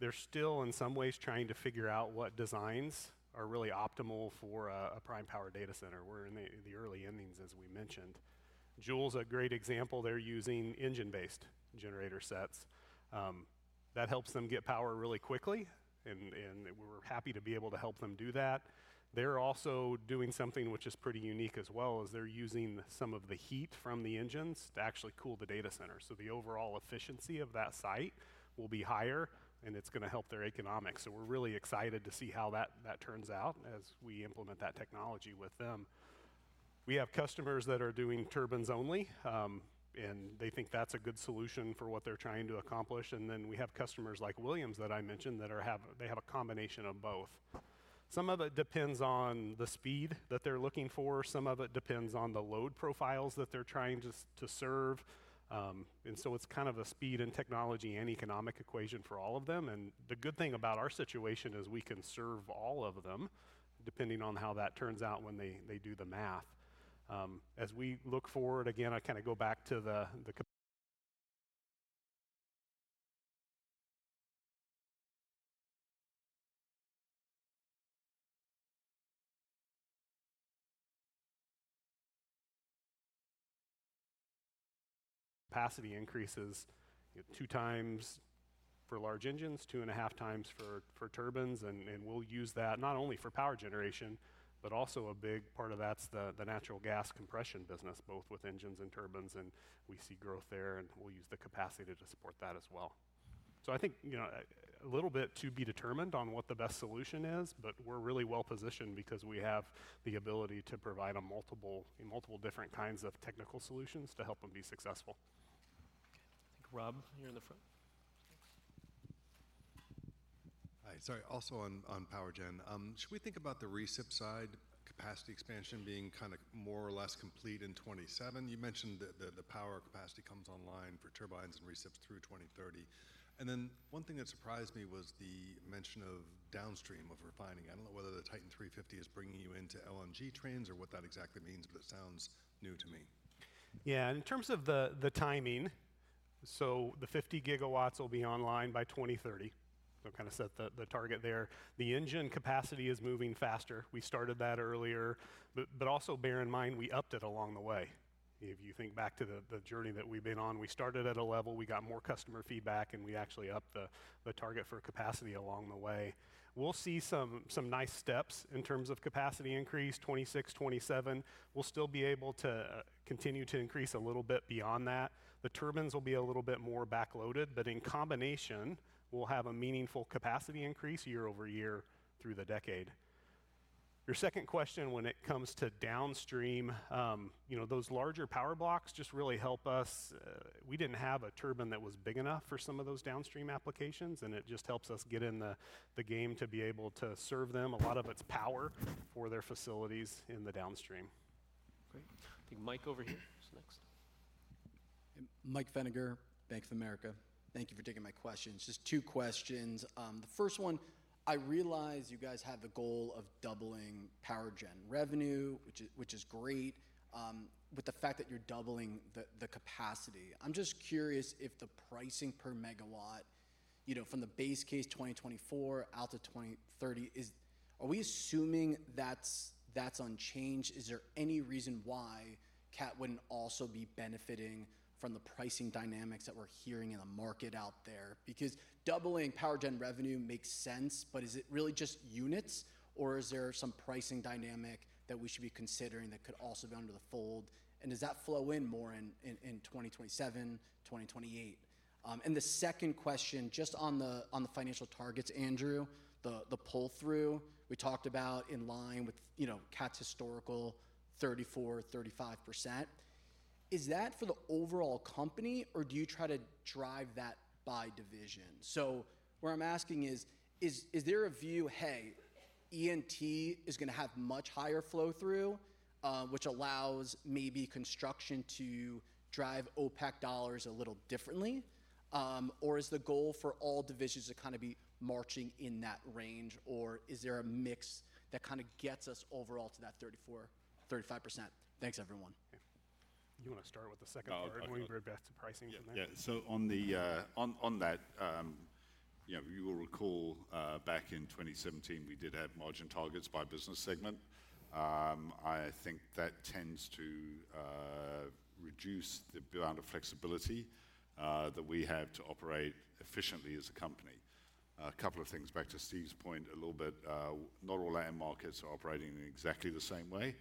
they're still in some ways trying to figure out what designs are really optimal for a prime power data center. We're in the early innings as we mentioned. Joule's a great example. They're using engine-based generator sets that helps them get power really quickly and we're happy to be able to help them do that. They're also doing something which is pretty unique as well is they're using some of the heat from the engines to actually cool the data center. So the overall efficiency of that site will be higher and it's going to help their economics. So we're really excited to see how that turns out as we implement that technology with them. We have customers that are doing turbines only and they think that's a good solution for what they're trying to accomplish. And then we have customers like Williams that I mentioned that have a combination of both. Some of it depends on the speed that they're looking for. Some of it depends on the load profiles that they're trying to serve and so it's kind of a speed and technology and economic equation for all of them. And the good thing about our situation is we can serve all of them depending on how that turns out. When they do the math as we look forward again, I kind of go back to the capacity increases two times for large engines, two and a half times for turbines. And we'll use that not only for power generation, but also, a big part of that's the natural gas compression business, both with engines and turbines. And we see growth there and we'll use the capacity to support that as well. So I think, you know, a little bit to be determined on what the best solution is. But we're really well positioned because we have the ability to provide multiple different kinds of technical solutions to help them be successful. Rob here in the front. Hi, sorry. Also on powergen, should we think about the recip side capacity expansion being kind of more or less complete in 2027? You mentioned the power capacity comes online for turbines and receipts through 2030. And then one thing that surprised me. Was the mention of downstream of refining? I don't know whether the Titan 350 is bringing you into LNG trains orhat that exactly means, but it sounds new to me. Yeah. In terms of the timing. So the 50 gigawatts will be online by 2030. So kind of set the target there. The engine capacity is moving faster. We started that earlier, but also bear in mind we upped it along the way. If you think back to the journey that we've been on, we started at a level, we got more customer feedback and we actually upped the target for capacity. Along the way. We'll see some nice steps in terms of capacity increase. 2026, 2027. We'll still be able to continue to increase a little bit. Beyond that, the turbines will be a little bit more backloaded, but in combination we'll have a meaningful capacity increase year-over-year through the decade. Your second question, when it comes to downstream, you know, those larger power blocks just really help us. We didn't have a turbine that was big enough for some of those downstream applications and it just helps us get in the game to be able to serve them a lot of its power for their facilities in the downstream. Great. I think Mike over here is next. Mike Feniger, Bank of America. Thank you for taking my questions. Just two questions. The first one, I realize you guys have the goal of doubling power gen revenue, which is great with the fact that you're doubling the capacity. I'm just curious if the pricing per megawatt you know, from the base case 2024 out to 2030 is are we assuming that's unchanged? Is there any reason why CAT wouldn't also be benefiting from the pricing dynamics that we're hearing in the market out there? Because doubling power gen revenue makes sense, but is it really just units or is there some pricing dynamic that we should be considering that could also be under the fold and does that flow in more in 2027, 2028? And the second question just on the, on the financial targets, Andrew, the pull through we talked about in line with, you know, Cat's historical 34%-35% is that for the overall company or do you try to drive that by division? So where I'm asking is is there a view, hey, E&amp,T is going to have much higher flow through which allows maybe construction to drive OPAC dollars a little differently or is the goal for all divisions to kind of be marching in that range or is there a mix that kind of gets us overall to that 34%-35%. Thanks everyone. You want to start with the second part when we revisit the pricing? Yeah. So on that, you know, you will recall back in 2017 we did have margin targets by business segment. I think that tends to reduce the amount of flexibility that we have to operate efficiently as a customer company. A couple of things back to Steve's point a little bit. Not all end markets are operating in exactly the same way.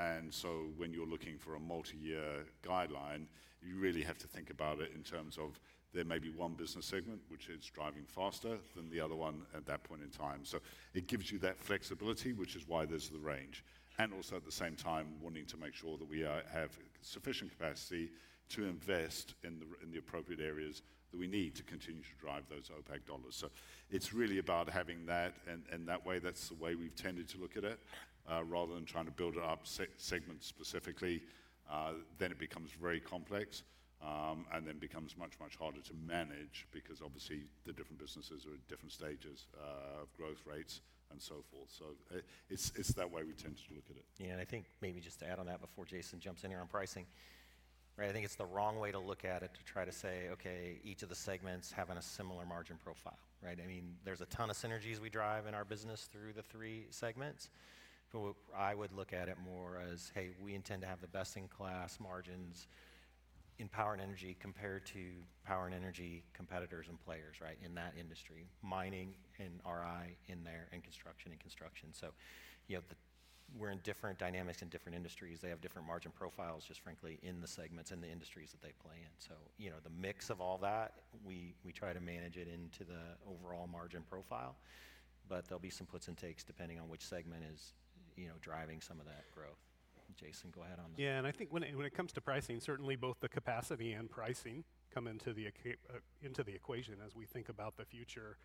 And so when you're looking for a multi-year guideline, you really have to think about it in terms of there may be one business segment which is driving faster than the other one at that point in time. So it gives you that flexibility which is why there's the range and also at the same time wanting to make sure that we have sufficient capacity to invest in the appropriate areas that we need to continue to drive those OPAC dollars. So it's really about having that. And that way, that's the way we've tended to look at it rather than trying to build it up, segments specifically, then it becomes very complex and then becomes much, much harder to manage because obviously the different businesses are at different stages of growth rates and so forth. So it's that way we. Yeah, and I think maybe just to add on that before Jason jumps in here on pricing. Right. I think it's the wrong way to look at it to try to say, okay, each of the segments having a similar margin profile. Right. I mean there's a ton of synergies we drive in our business through the three segments. But I would look at it more as, hey, we intend to have the best in class margins in power and energy compared to power and energy competitors and players right in that industry. Mining and RI in there and construction. So, you know, we're in different dynamics in different industries. They have different margin profiles just frankly in the segments and the industries that they play in. So, you know, the mix of all that, we try to manage it into the overall margin profile, but there'll be some puts and takes depending on which segment is, you know, driving some of that growth. Jason, go ahead on. Yeah, and I think when it comes to pricing, certainly both the capacity and pricing come into the equation. As we think about the future,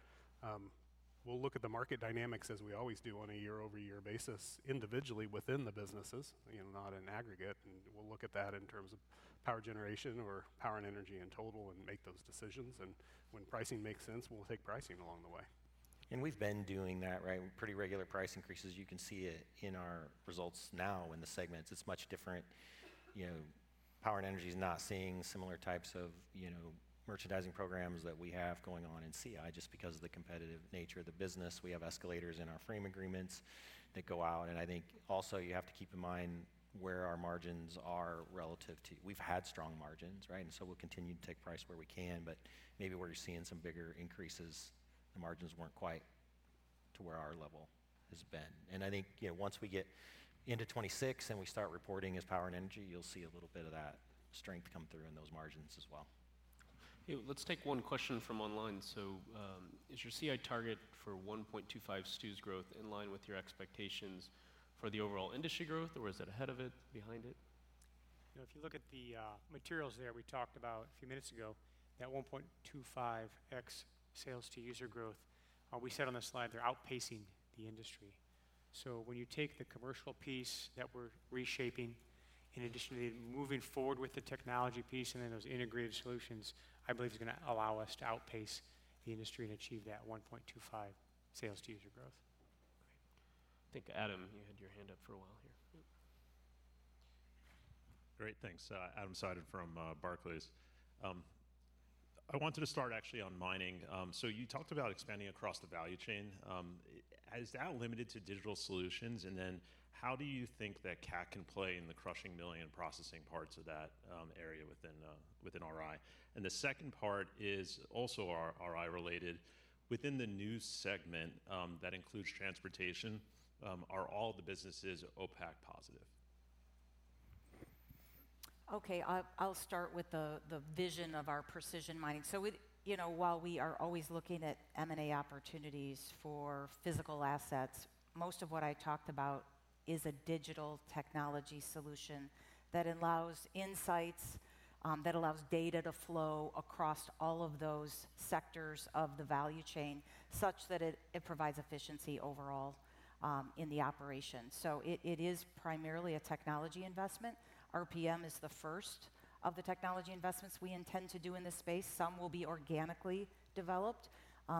we'll look at the market dynamics as we always do on a year over year basis individually within the businesses, you know, not in aggregate. We'll look at that in terms of power generation or power and energy in total and make those decisions. When pricing makes sense, we'll take pricing along the way. We've been doing that right. Pretty regular price increases. You can see it in our results now in the segments. It's much different. You know, power and energy is not seeing similar types of, you know, merchandising programs that we have going on in CI just because of the competitive nature of the business. We have escalators in our frame agreements that go out. I think also you have to keep in mind where our margins are relative to we've had strong margins, right. We'll continue to take price where we can, but maybe where you're seeing some bigger increases, the margins weren't quite to where our level has been. I think, you know, once we get into 2026 and we start reporting as power and energy, you'll see a little bit of that strength come through in those margins as well. Let's take one question from online. So, is your CI target for 1.25x sales growth in line with your expectations for the overall industry growth or is it ahead of it, behind it? If you look at the materials there we talked about a few minutes ago, that 1.25x sales to user growth, we said on the slide they're outpacing the industry. So when you take the commercial piece that we're reshaping in addition to moving forward with the technology piece, and then those integrated solutions I believe is going to allow us to outpace the industry and achieve that 1.25 sales to user growth. I think, Adam, you had your hand up for a while here. Great, thanks. Adam Smith from Barclays. I wanted to start actually on mining. So you talked about expanding across the value chain. Is that limited to digital solutions? And then how do you think that Cat can play in the crushing million processing parts of that area within RI? And the second part is also our RI related within the new segment that includes transportation are all the businesses is OPAC positive? Okay, I'll start with the vision of our Precision Mining. So while we are always looking at M and A opportunities for physical assets, most of what I talked about is a digital technology solution that allows insights that allows data to flow across all of those sectors of the value chain such that it provides efficiency overall in the operation. So it is primarily a technology investment. RPM is the first of the technology investments we intend to do in this space. Some will be organically developed,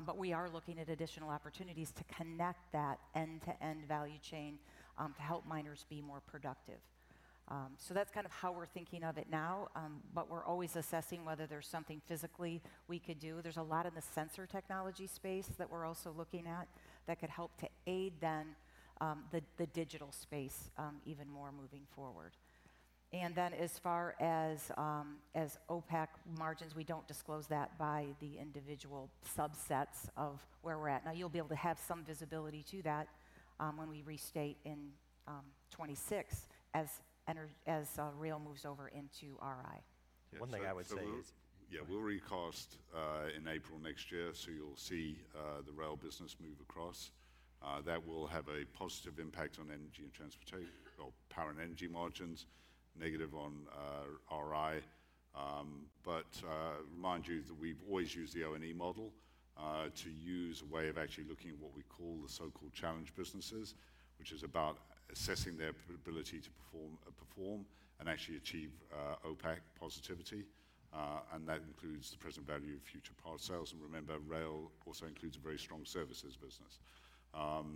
but we are looking at additional opportunities to connect that end to end value chain to help miners be more productive. So that's kind of how we're thinking of it now. But we're always assessing whether there's something physically we could do. There's a lot in the sensor technology space that we're also looking at that could help to aid in the digital space even more moving forward. And then as far as OPAC margins, we don't disclose that by the individual subsets of where we're at now. You'll be able to have some visibility to that when we restate in 2026 as rail moves over into RI. We'll recast in April next year so you'll see the rail business move across. That will have a positive impact on energy and transportation power and energy margins. Negative on RI. But remind you that we've always used the O&E model to use a way of actually looking at what we call the so-called challenge businesses which is about assessing their ability to perform and actually achieve OPACC positivity. And that includes the present value of future part sales. And remember rail also includes a very strong services business.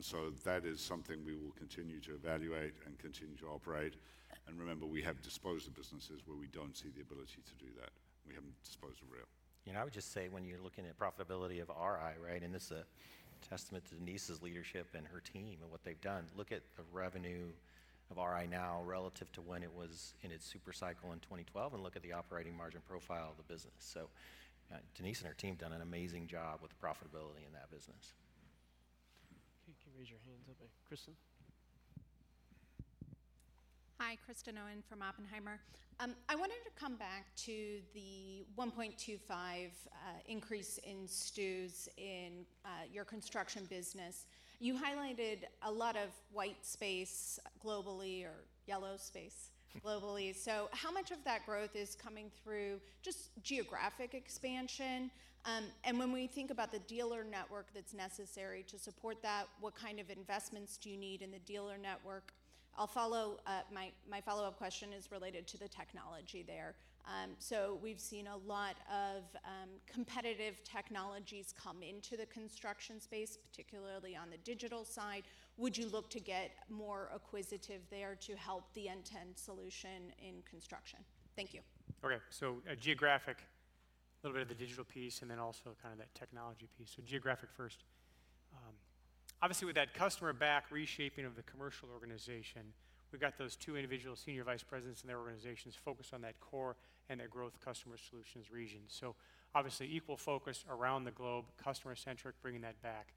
So that is something we will continue to evaluate and continue to operate. And remember we have disposed of businesses where we don't see the ability to do that. We haven't disposed of Rail. You know I would just say when you're looking at profitability of RI, right? And this is a testament to Denise's leadership and her team and what they've done. Look at the revenue of RI now relative to when it was in its super cycle in 2012. And look at the operating margin profile of the business. So Denise and her team done an amazing job with the profitability in that business. Okay, can you raise your hands up, Kristen? Hi, Kristen Owen from Oppenheimer. I wanted to come back to the 1.25 increase in use in your construction business. You highlighted a lot of white space globally or white space globally. So how much of that growth is coming through just geographic expansion? And when we think about the dealer network that's necessary to support that, what kind of investments do you need in the dealer network? My follow-up question is related to the technology there. So we've seen a lot of competitive technologies come into the construction space, particularly on the digital side. Would you look to get more acquisitive there to help the end-to-end solution in construction? Thank you. Okay, so geographic, a little bit of the digital piece and then also kind of that technology piece. So geographic first, obviously with that customer back reshaping of the commercial organization, we've got those two individual senior vice presidents and their organizations focused on that core and their growth customer solutions region. So obviously equal focus around the globe, customer centric, bringing that back.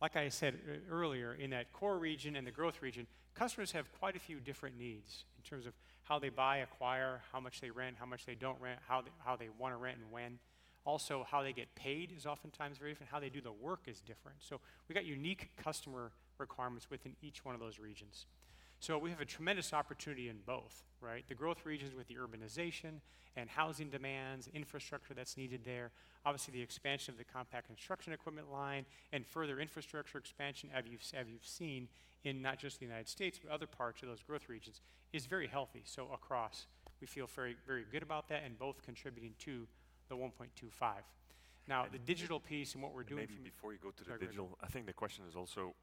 Like I said earlier, in that core region and the growth region, customers have quite a few different needs in terms of how they buy, acquire, how much they rent, how much they don't rent, how they want to rent and when. Also how they get paid is oftentimes very different. How they do the work is different. So we got unique customer requirements within each one of those regions. So we have a tremendous opportunity in both. Right. The growth regions with the urbanization and housing demands, infrastructure that's needed there. Obviously the expansion of the compact construction equipment line and further infrastructure expansion, as you've seen in not just the United States, but other parts of those growth regions is very healthy. So across we feel very, very good about that and both contributing to the 1.25. Now the digital piece and what we're doing. Maybe before you go to the digital, I think the question is also,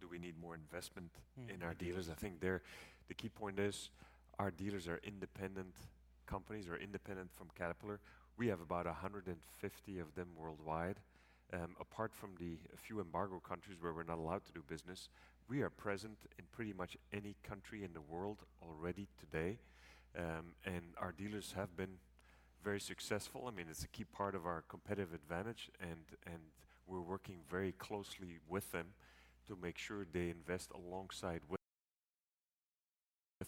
do we need more investment in our dealers? I think that's the key point is our dealers are independent companies or independent from Caterpillar. We have about 150 of them worldwide. Apart from the few embargo countries where we're not allowed to do business. We are present in pretty much any country in the world already today and our dealers have been very successful. I mean it's a key part of our competitive advantage and we're working very closely with them to make sure they invest alongside with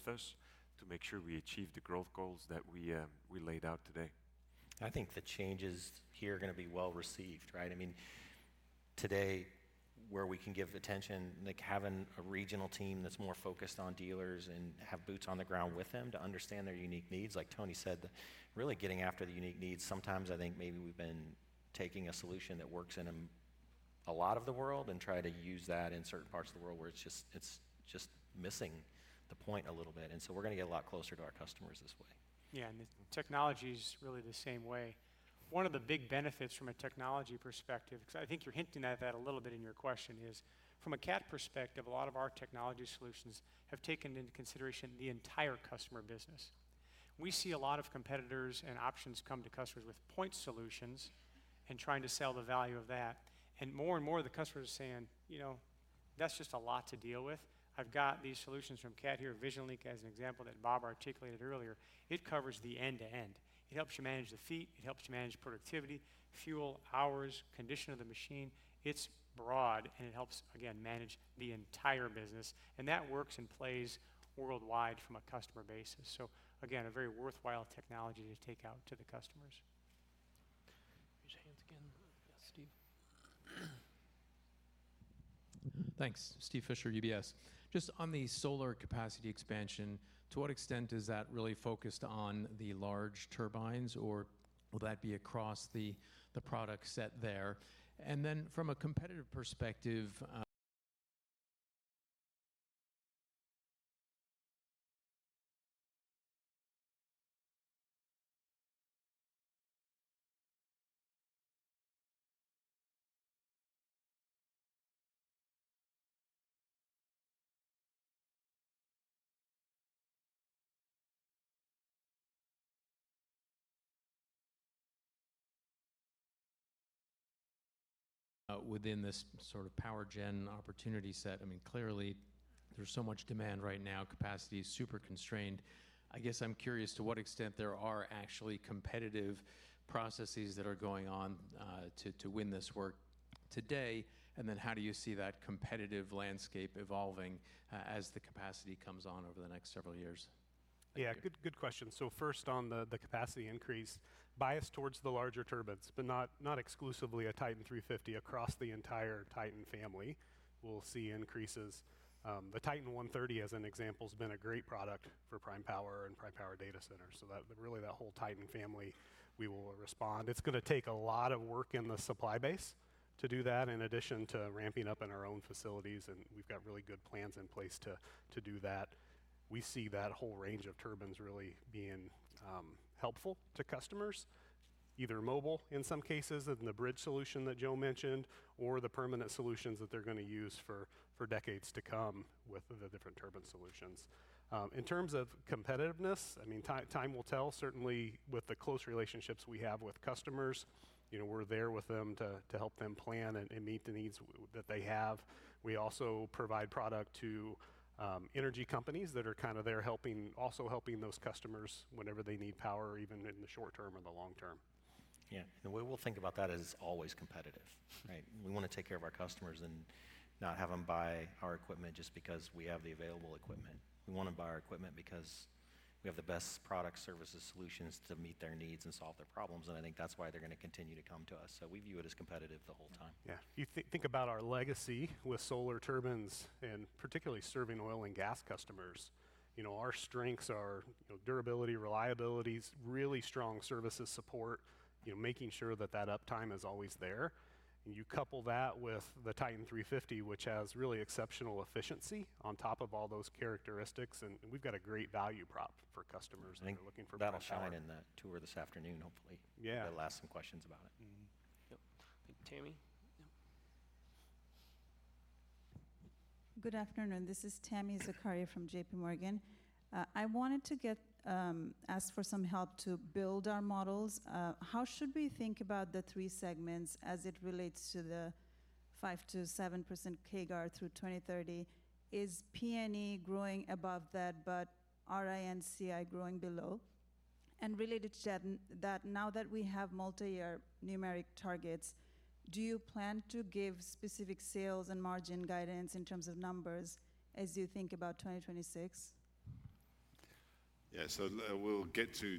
us to make sure we achieve the growth goals that we laid out today. I think the changes here are going to be well received. Right? I mean today where we can give attention, like having a regional team that's more focused on dealers and have boots on the ground with them to understand their unique needs. Like Tony said, really getting after the unique needs. Sometimes I think maybe we've been taking a solution that works in a lot of the world and try to use that in certain parts of the world where it's just, it's just missing the point a little bit. And so we're going to get a lot closer to our customers this way. Yeah, and technology is really the same. Same way. One of the big benefits from a technology perspective, because I think you're hinting at that a little bit in your question, is from a Cat perspective. A lot of our technology solutions have taken into consideration the entire customer business. We see a lot of competitors and options come to customers with point solutions and trying to sell the value of that. And more and more the customers are saying, you know, that's just a lot to deal with. I've got these solutions from Cat here, VisionLink as an example that Bob articulated earlier. It covers the end to end. It helps you manage the fleet, it helps you manage productivity, fuel hours, condition of the machine. It's broad and it helps again manage the entire business and that works and plays worldwide from a customer basis. So again, a very worthwhile technology to take out to the customers. Raise your hands again, Steve. Thanks. Steven Fisher, UBS. Just on the solar capacity expansion, to what extent is that really focused on the large turbines or will that be across the product set there? And then from a competitive perspective within this sort of powergen opportunity set, I mean clearly there's so much demand right now. Capacity is super constrained. I guess I'm curious to what extent there are actually competitive processes that are going on to win this work today. And then how do you see that competitive landscape evolving as the capacity comes on over the next several years? Yeah, good question. So first on the capacity increase bias towards the larger turbines, but not exclusively a Titan 350. Across the entire Titan family, we'll see increases. The Titan 130 as an example has been a great product for prime power and prime power data centers. So that really that whole Titan family, we will respond. It's going to take a lot of work in the supply base to do that in addition to ramping up in our own facilities. And we've got really good plans in place to do that. We see that whole range of turbines really being helpful to customers, either mobile in some cases in the bridge solution that Joe mentioned or the permanent solutions that they're going to use for decades to come with the different turbine solutions. In terms of competitiveness, I mean, time will tell certainly with the close relationships we have with customers. You know, we're there with them to help them plan and meet the needs that they have. We also provide product to energy companies that are kind of there helping, also helping those customers whenever they need power, even in the short term or the long term. Yeah, and we will think about that as always competitive. Right. We want to take care of our customers and not have them buy our equipment just because we have the available equipment. We want them to buy our equipment because we have the best products, services, solutions to meet their needs and solve their problems. And I think that's why they're going to continue to come to us. So we view it as competitive the whole time. Yeah. You think about our legacy with Solar Turbines and particularly serving oil and gas customers, you know, our strengths are durability, reliability, really strong services support, you know, making sure that that uptime is always there. And you couple that with the Titan 350 which has really exceptional efficiency on top of all those characteristics and we've got a great value prop for customers looking for. That'll shine in the tour this afternoon? Hopefully. Yeah, it'll ask some questions about it. Tami. Good afternoon, this is Tami Zakaria from JPMorgan. I wanted to ask for some help to build our models. How should we think about the three segments as it relates to the 5%-7% CAGR through 2030? Is P and E growing above that, but RI and CI growing below? And related to that, now that we have multi-year numeric targets, do you plan to give specific sales and margin guidance in terms of numbers as you think about 2026? Yeah, so we'll get to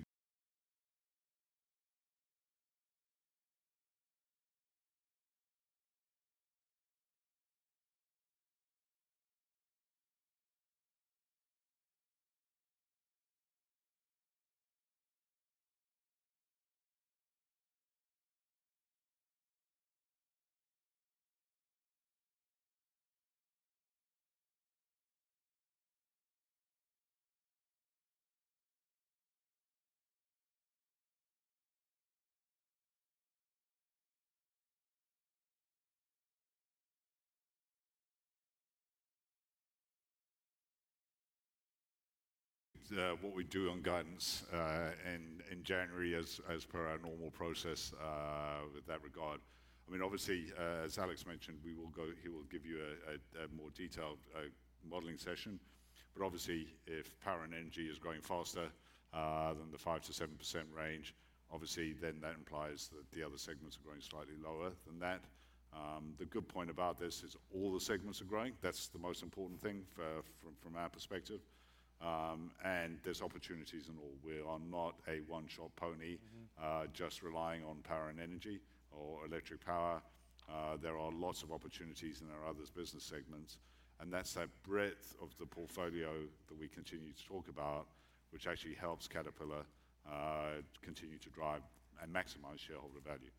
what we do on guidance in, in January as, as per our normal process in that regard. I mean obviously as Alex mentioned, we will go, he will give you a more detailed modeling session. But obviously if power and energy is growing faster than the 5%-7% range, obviously then that implies that the other segments are growing slightly lower than that. The good point about this is all the segments are growing. That's the most important thing from our perspective and there's opportunities and all. We are not a one-trick pony just relying on power and energy or electric power. There are lots of opportunities in our other business segments and that's that breadth of the portfolio that we continue to talk about, which actually helps Caterpillar continue to drive and maximize shareholder value.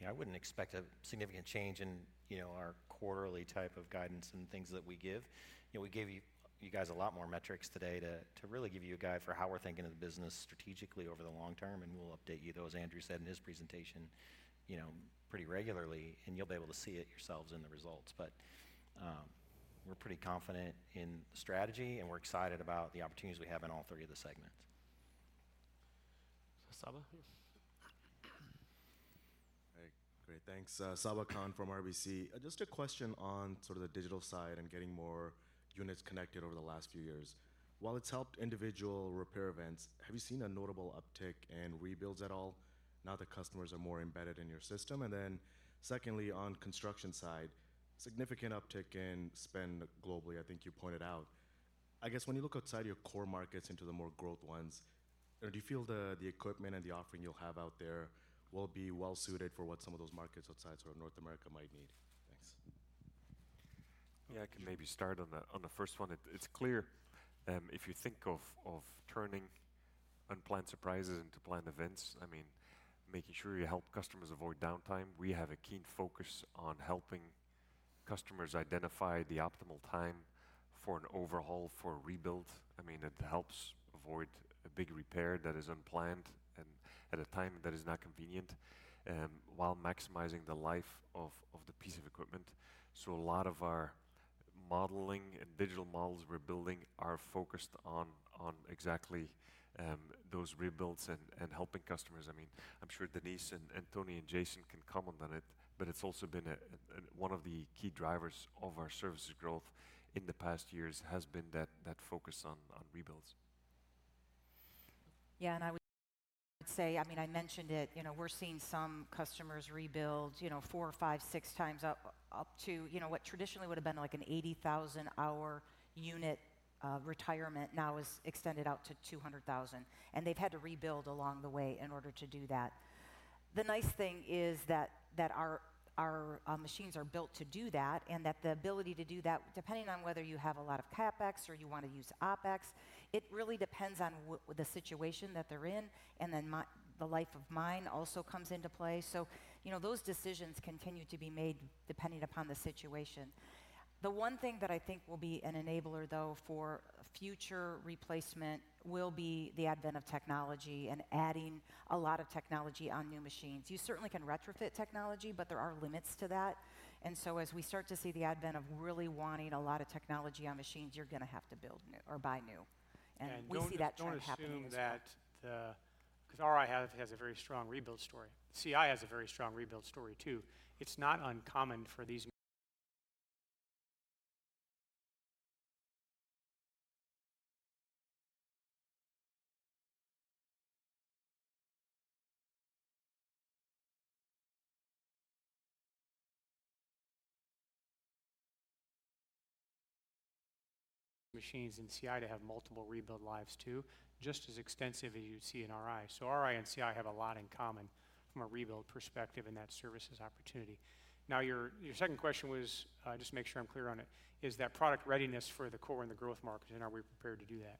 Yeah, I wouldn't expect a significant change in, you know, our quarterly type of guidance and things that we give, you know. We gave you guys a lot more metrics today to really give you a guide for how we're thinking of the business strategically over the long term, and we'll update you those Andrew said in his presentation, you know, pretty regularly and you'll be able to see it yourselves in the results, but we're pretty confident in strategy and we're excited about the opportunities we have in all three of the segments. Saba, great, thanks. Saba Khan from RBC. Just a question on sort of the digital side and getting more units connected over the last few years, while it's helped individual repair events, have you seen a notable uptick in rebuilds at all now? The customers are more embedded in your system, and then secondly, on construction side, significant uptick in spend globally, I think you pointed out. I guess when you look outside your core markets into the more growth ones, do you feel the equipment and the offering you'll have out there will be well suited for what some of those markets outside sort of North America might need? Thanks. Yeah, I can maybe start on the, on the first one. It's clear if you think of, of turning unplanned surprises into planned events, I mean, making sure you help customers avoid downtime. We have a keen focus on helping customers identify the optimal time for an overhaul or rebuild. I mean it helps avoid a big repair that is unplanned and at a time that is not convenient while maximizing the life of the piece of equipment. So a lot of our modeling and digital models we're building are focused on exactly those rebuilds and helping customers. I mean, I'm sure Denise and Tony and Jason can comment on it, but it's also been one of the key drivers of our services growth in the past years has been that focus on rebuilds. Yeah, and I would say, I mean I mentioned it, we're seeing some customers rebuild, you know, four, five, six times up to, you know, what traffic traditionally would have been like an 80,000 hour unit. Retirement now is extended out to 200,000 and they've had to rebuild along the way in order to do that. The nice thing is that our machines are built to do that and that the ability to do that depending on whether you have a lot of CapEx or you want to use OpEx, it really depends on the situation that they're in. And then the life of mine also comes into play. So, you know, those decisions continue to be made depending upon the situation. The one thing that I think will be an enabler though for future replacement will be the advent of technology and adding a lot of technology on new machines. You certainly can retrofit technology, but there are limits to that. And so as we start to see the advent of really wanting a lot of technology on machines, you're going to have to build new or buy new. And we'll see that trend happens. Because RI has a very strong rebuild story, CI has a very strong rebuild story too. It's not uncommon for these machines in CI to have multiple rebuild lives too, just as extensive as you see in RI. So RI and CI have a lot in common from a rebuild perspective and that services opportunity. Now your second question was just to make sure I'm clear on it. Is that product readiness for the core and the growth market and are we prepared to do that?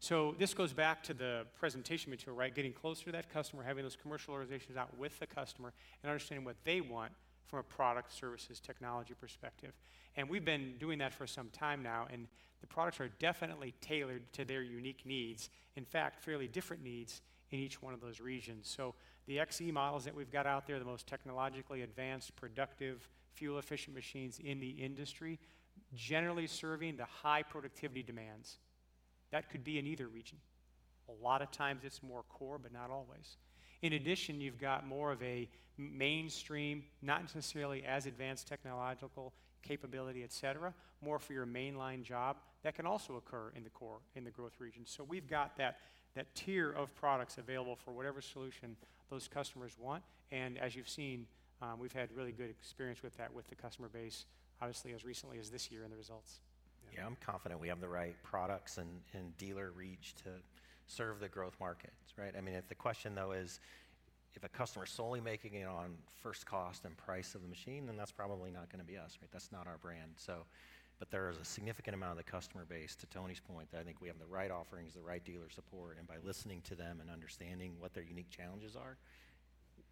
So this goes back to the point presentation material, right? Getting closer to that customer, having those commercial organizations out with the customer, and understanding what they want from a product, services, technology perspective. And we've been doing that for some time now, and the products are definitely tailored to their unique needs. In fact, fairly different needs in each one of those regions. So the XE models that we've got out there, the most technologically advanced, productive, fuel efficient machines in the industry, generally serving the high, high productivity demands that could be in either region. A lot of times it's more core, but not always. In addition, you've got more of a mainstream, not necessarily as advanced technological capability, et cetera, more for your mainline job. That can also occur in the core in the growth region. So we've got that tier of products available for whatever solution those customers want. And as you've seen, we've had really good experience with that, with the customer base obviously as recently as this year in the results. Yeah, I'm confident we have the right products and dealer reach to serve the growth markets. Right. I mean if the question though is if a customer is solely making it on first cost and price of the machine, then that's probably not going to be us. Right? That's not our brand. So. But there is a significant amount of the customer base, to Tony's point, that I think we have the right offerings, the right dealer support and by listening to them and understanding what their unique challenges are,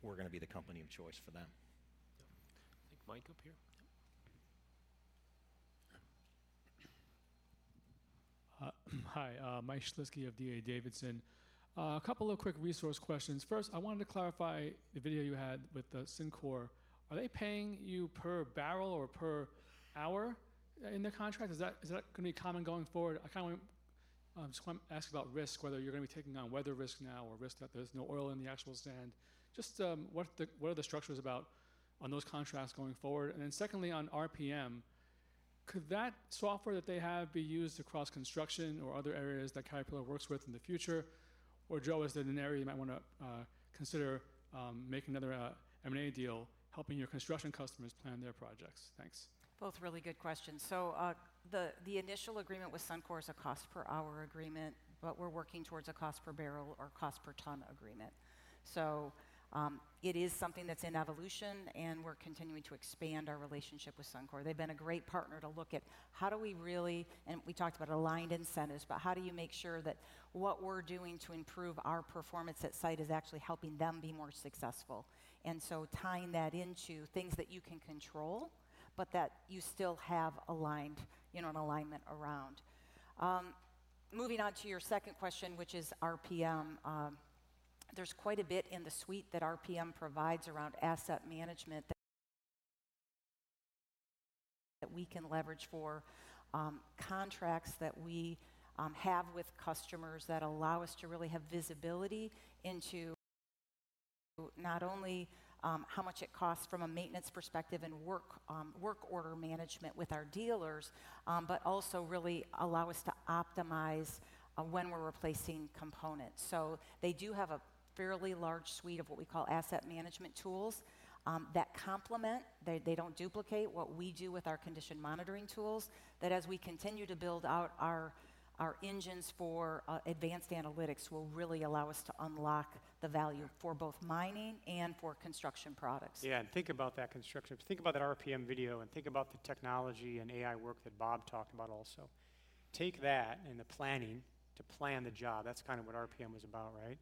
we're going to be the company of choice for them. Mike, up here. Hi, Mike Schliske of D.A. Davidson. A couple of quick resource questions. First I wanted to clarify the video you had with the Suncor. Are they paying you per barrel or per hour in the contract? Is that, is that going to be common going forward? I kind of want to ask about risk. Whether you're going to be taking on weather risk now or risk that there's no oil in the actual sand, just what are the structures about on those contracts going forward? And then secondly on RPM, could that software that they have be used across construction or other areas that Caterpillar works with in the future? Or Joe, is that an area you might want to consider making another M&A deal helping your construction customers plan their projects? Thanks. Both really good questions. So the initial agreement with Suncor is a cost per hour agreement, but we're working towards a cost per barrel or cost per ton agreement. So it is something that's in evolution and we're continuing to expand our relationship with Suncor. They've been a great partner to look at. How do we really. And we talked about aligned incentives but how do you make sure that what we're doing to improve our performance at site is actually helping them be more successful and so tying that into things that you can control but that you still have aligned, you know, an alignment around. Moving on to your second question which is rpm. There's quite a bit in the suite that RPM provides around asset management that we can leverage for contracts that we have with customers that allow us to really have visibility into not only how much it costs from a maintenance perspective and work order management with our dealers, but also really allow us to optimize when we're replacing components. So they do have a fairly large suite of what we call asset management tools that complement. They don't duplicate what we do with our condition monitoring tools that as we continue to build out our engines for engineering, advanced analytics will really allow us to unlock the value for both mining and for construction products. Yeah. And think about that construction. Think about that RPM video and think about the technology and AI work that Bob talked about also. Take that and the planning to plan the job. That's kind of what RPM was about. Right.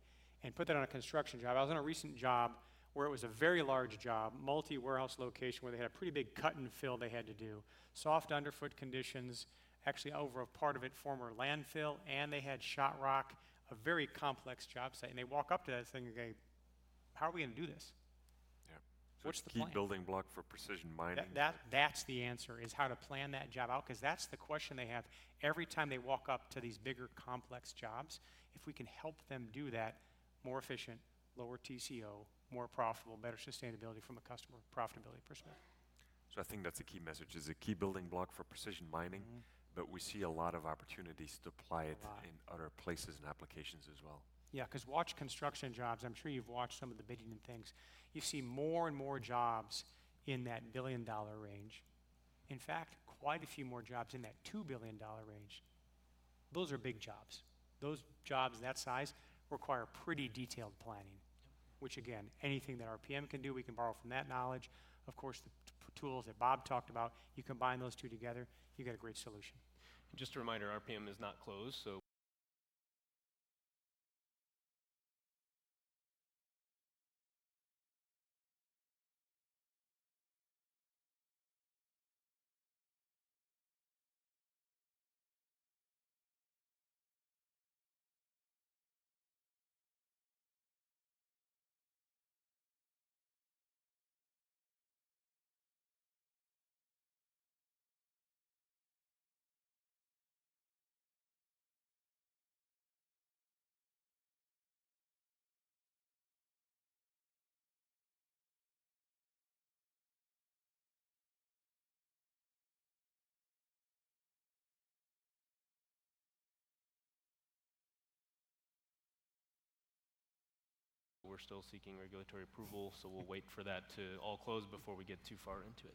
And put that on a construction job. I was on a recent job where it was a very large job, multi-warehouse location where they had a pretty big cut and fill. They had to do soft underfoot conditions actually over a part of it, former landfill, and they had shot rock, a very complex job site. And they walk up to that thing and go, how are we going to do this? Yeah. What's the key building block for Precision Mining? That's the answer, is how to plan that job out. Because that's the question they have every time they walk up to these bigger, complex jobs. If we can help them do that, more efficient, lower TCO, more profitable, better sustainability from a customer profitability perspective. So I think that's a key message is a key building block for Precision Mining. But we see a lot of opportunities to apply it in other places and applications as well. Yeah, because watch construction jobs. I'm sure you've watched some of the bidding and things. You see more and more jobs in that billion dollar range. In fact, quite a few more jobs in that $2 billion range. Those are big jobs. Those jobs that size require perhaps pretty detailed planning, which again, anything that RPM can do, we can borrow from that knowledge. Of course, the tools that Bob talked about, you combine those two together, you get a great solution. Just a reminder, RPM is not closed, so we're still seeking regulatory approval. So we'll wait for that to all close before we get too far into it.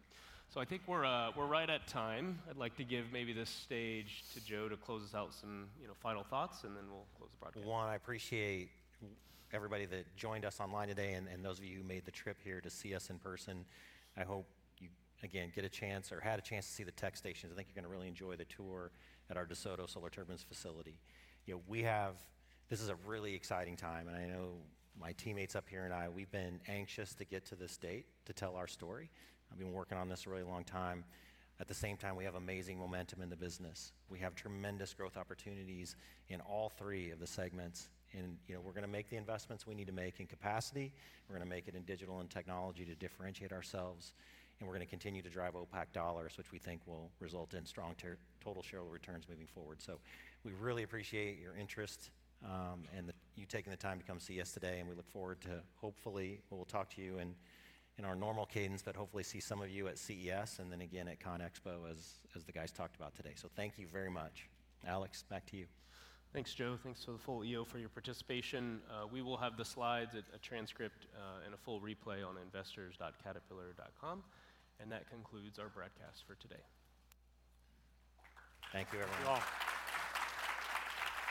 So I think we're right at time. I'd like to give maybe this stage to Joe to close us out, some final thoughts and then we'll close the podcast. Juan, I appreciate everybody that joined us online today and those of you who made the trip here to see us in person. I hope you again get a chance or had a chance to see the tech stations. I think you're going to really enjoy the tour at our DeSoto Solar Turbines facility. You know, we have, this is a really exciting time and I know my teammates up here and I, we've been anxious to get to this date to tell our story. I've been working on this a really long time. At the same time, we have amazing momentum in the business. We have tremendous growth opportunities in all three of the segments. And you know, we're going to make the investments we need to make in capacity. We're going to make it in digital and technology to differentiate ourselves and we're going to continue to drive OPACC dollars, which we think will result in strong total shareholder returns moving forward. So we really appreciate your interest and you taking the time to come see us today. And we look forward to. Hopefully we'll talk to you in our normal cadence, but hopefully see some of you at CES and then again at CONEXPO as the guys talked about today. So thank you very much. Alex, back to you. Thanks, Joe. Thanks to the full EO for your participation. We will have the slides, a transcript and a full replay on investors.caterpillar.com. And that concludes our broadcast for today. Thank you, everyone.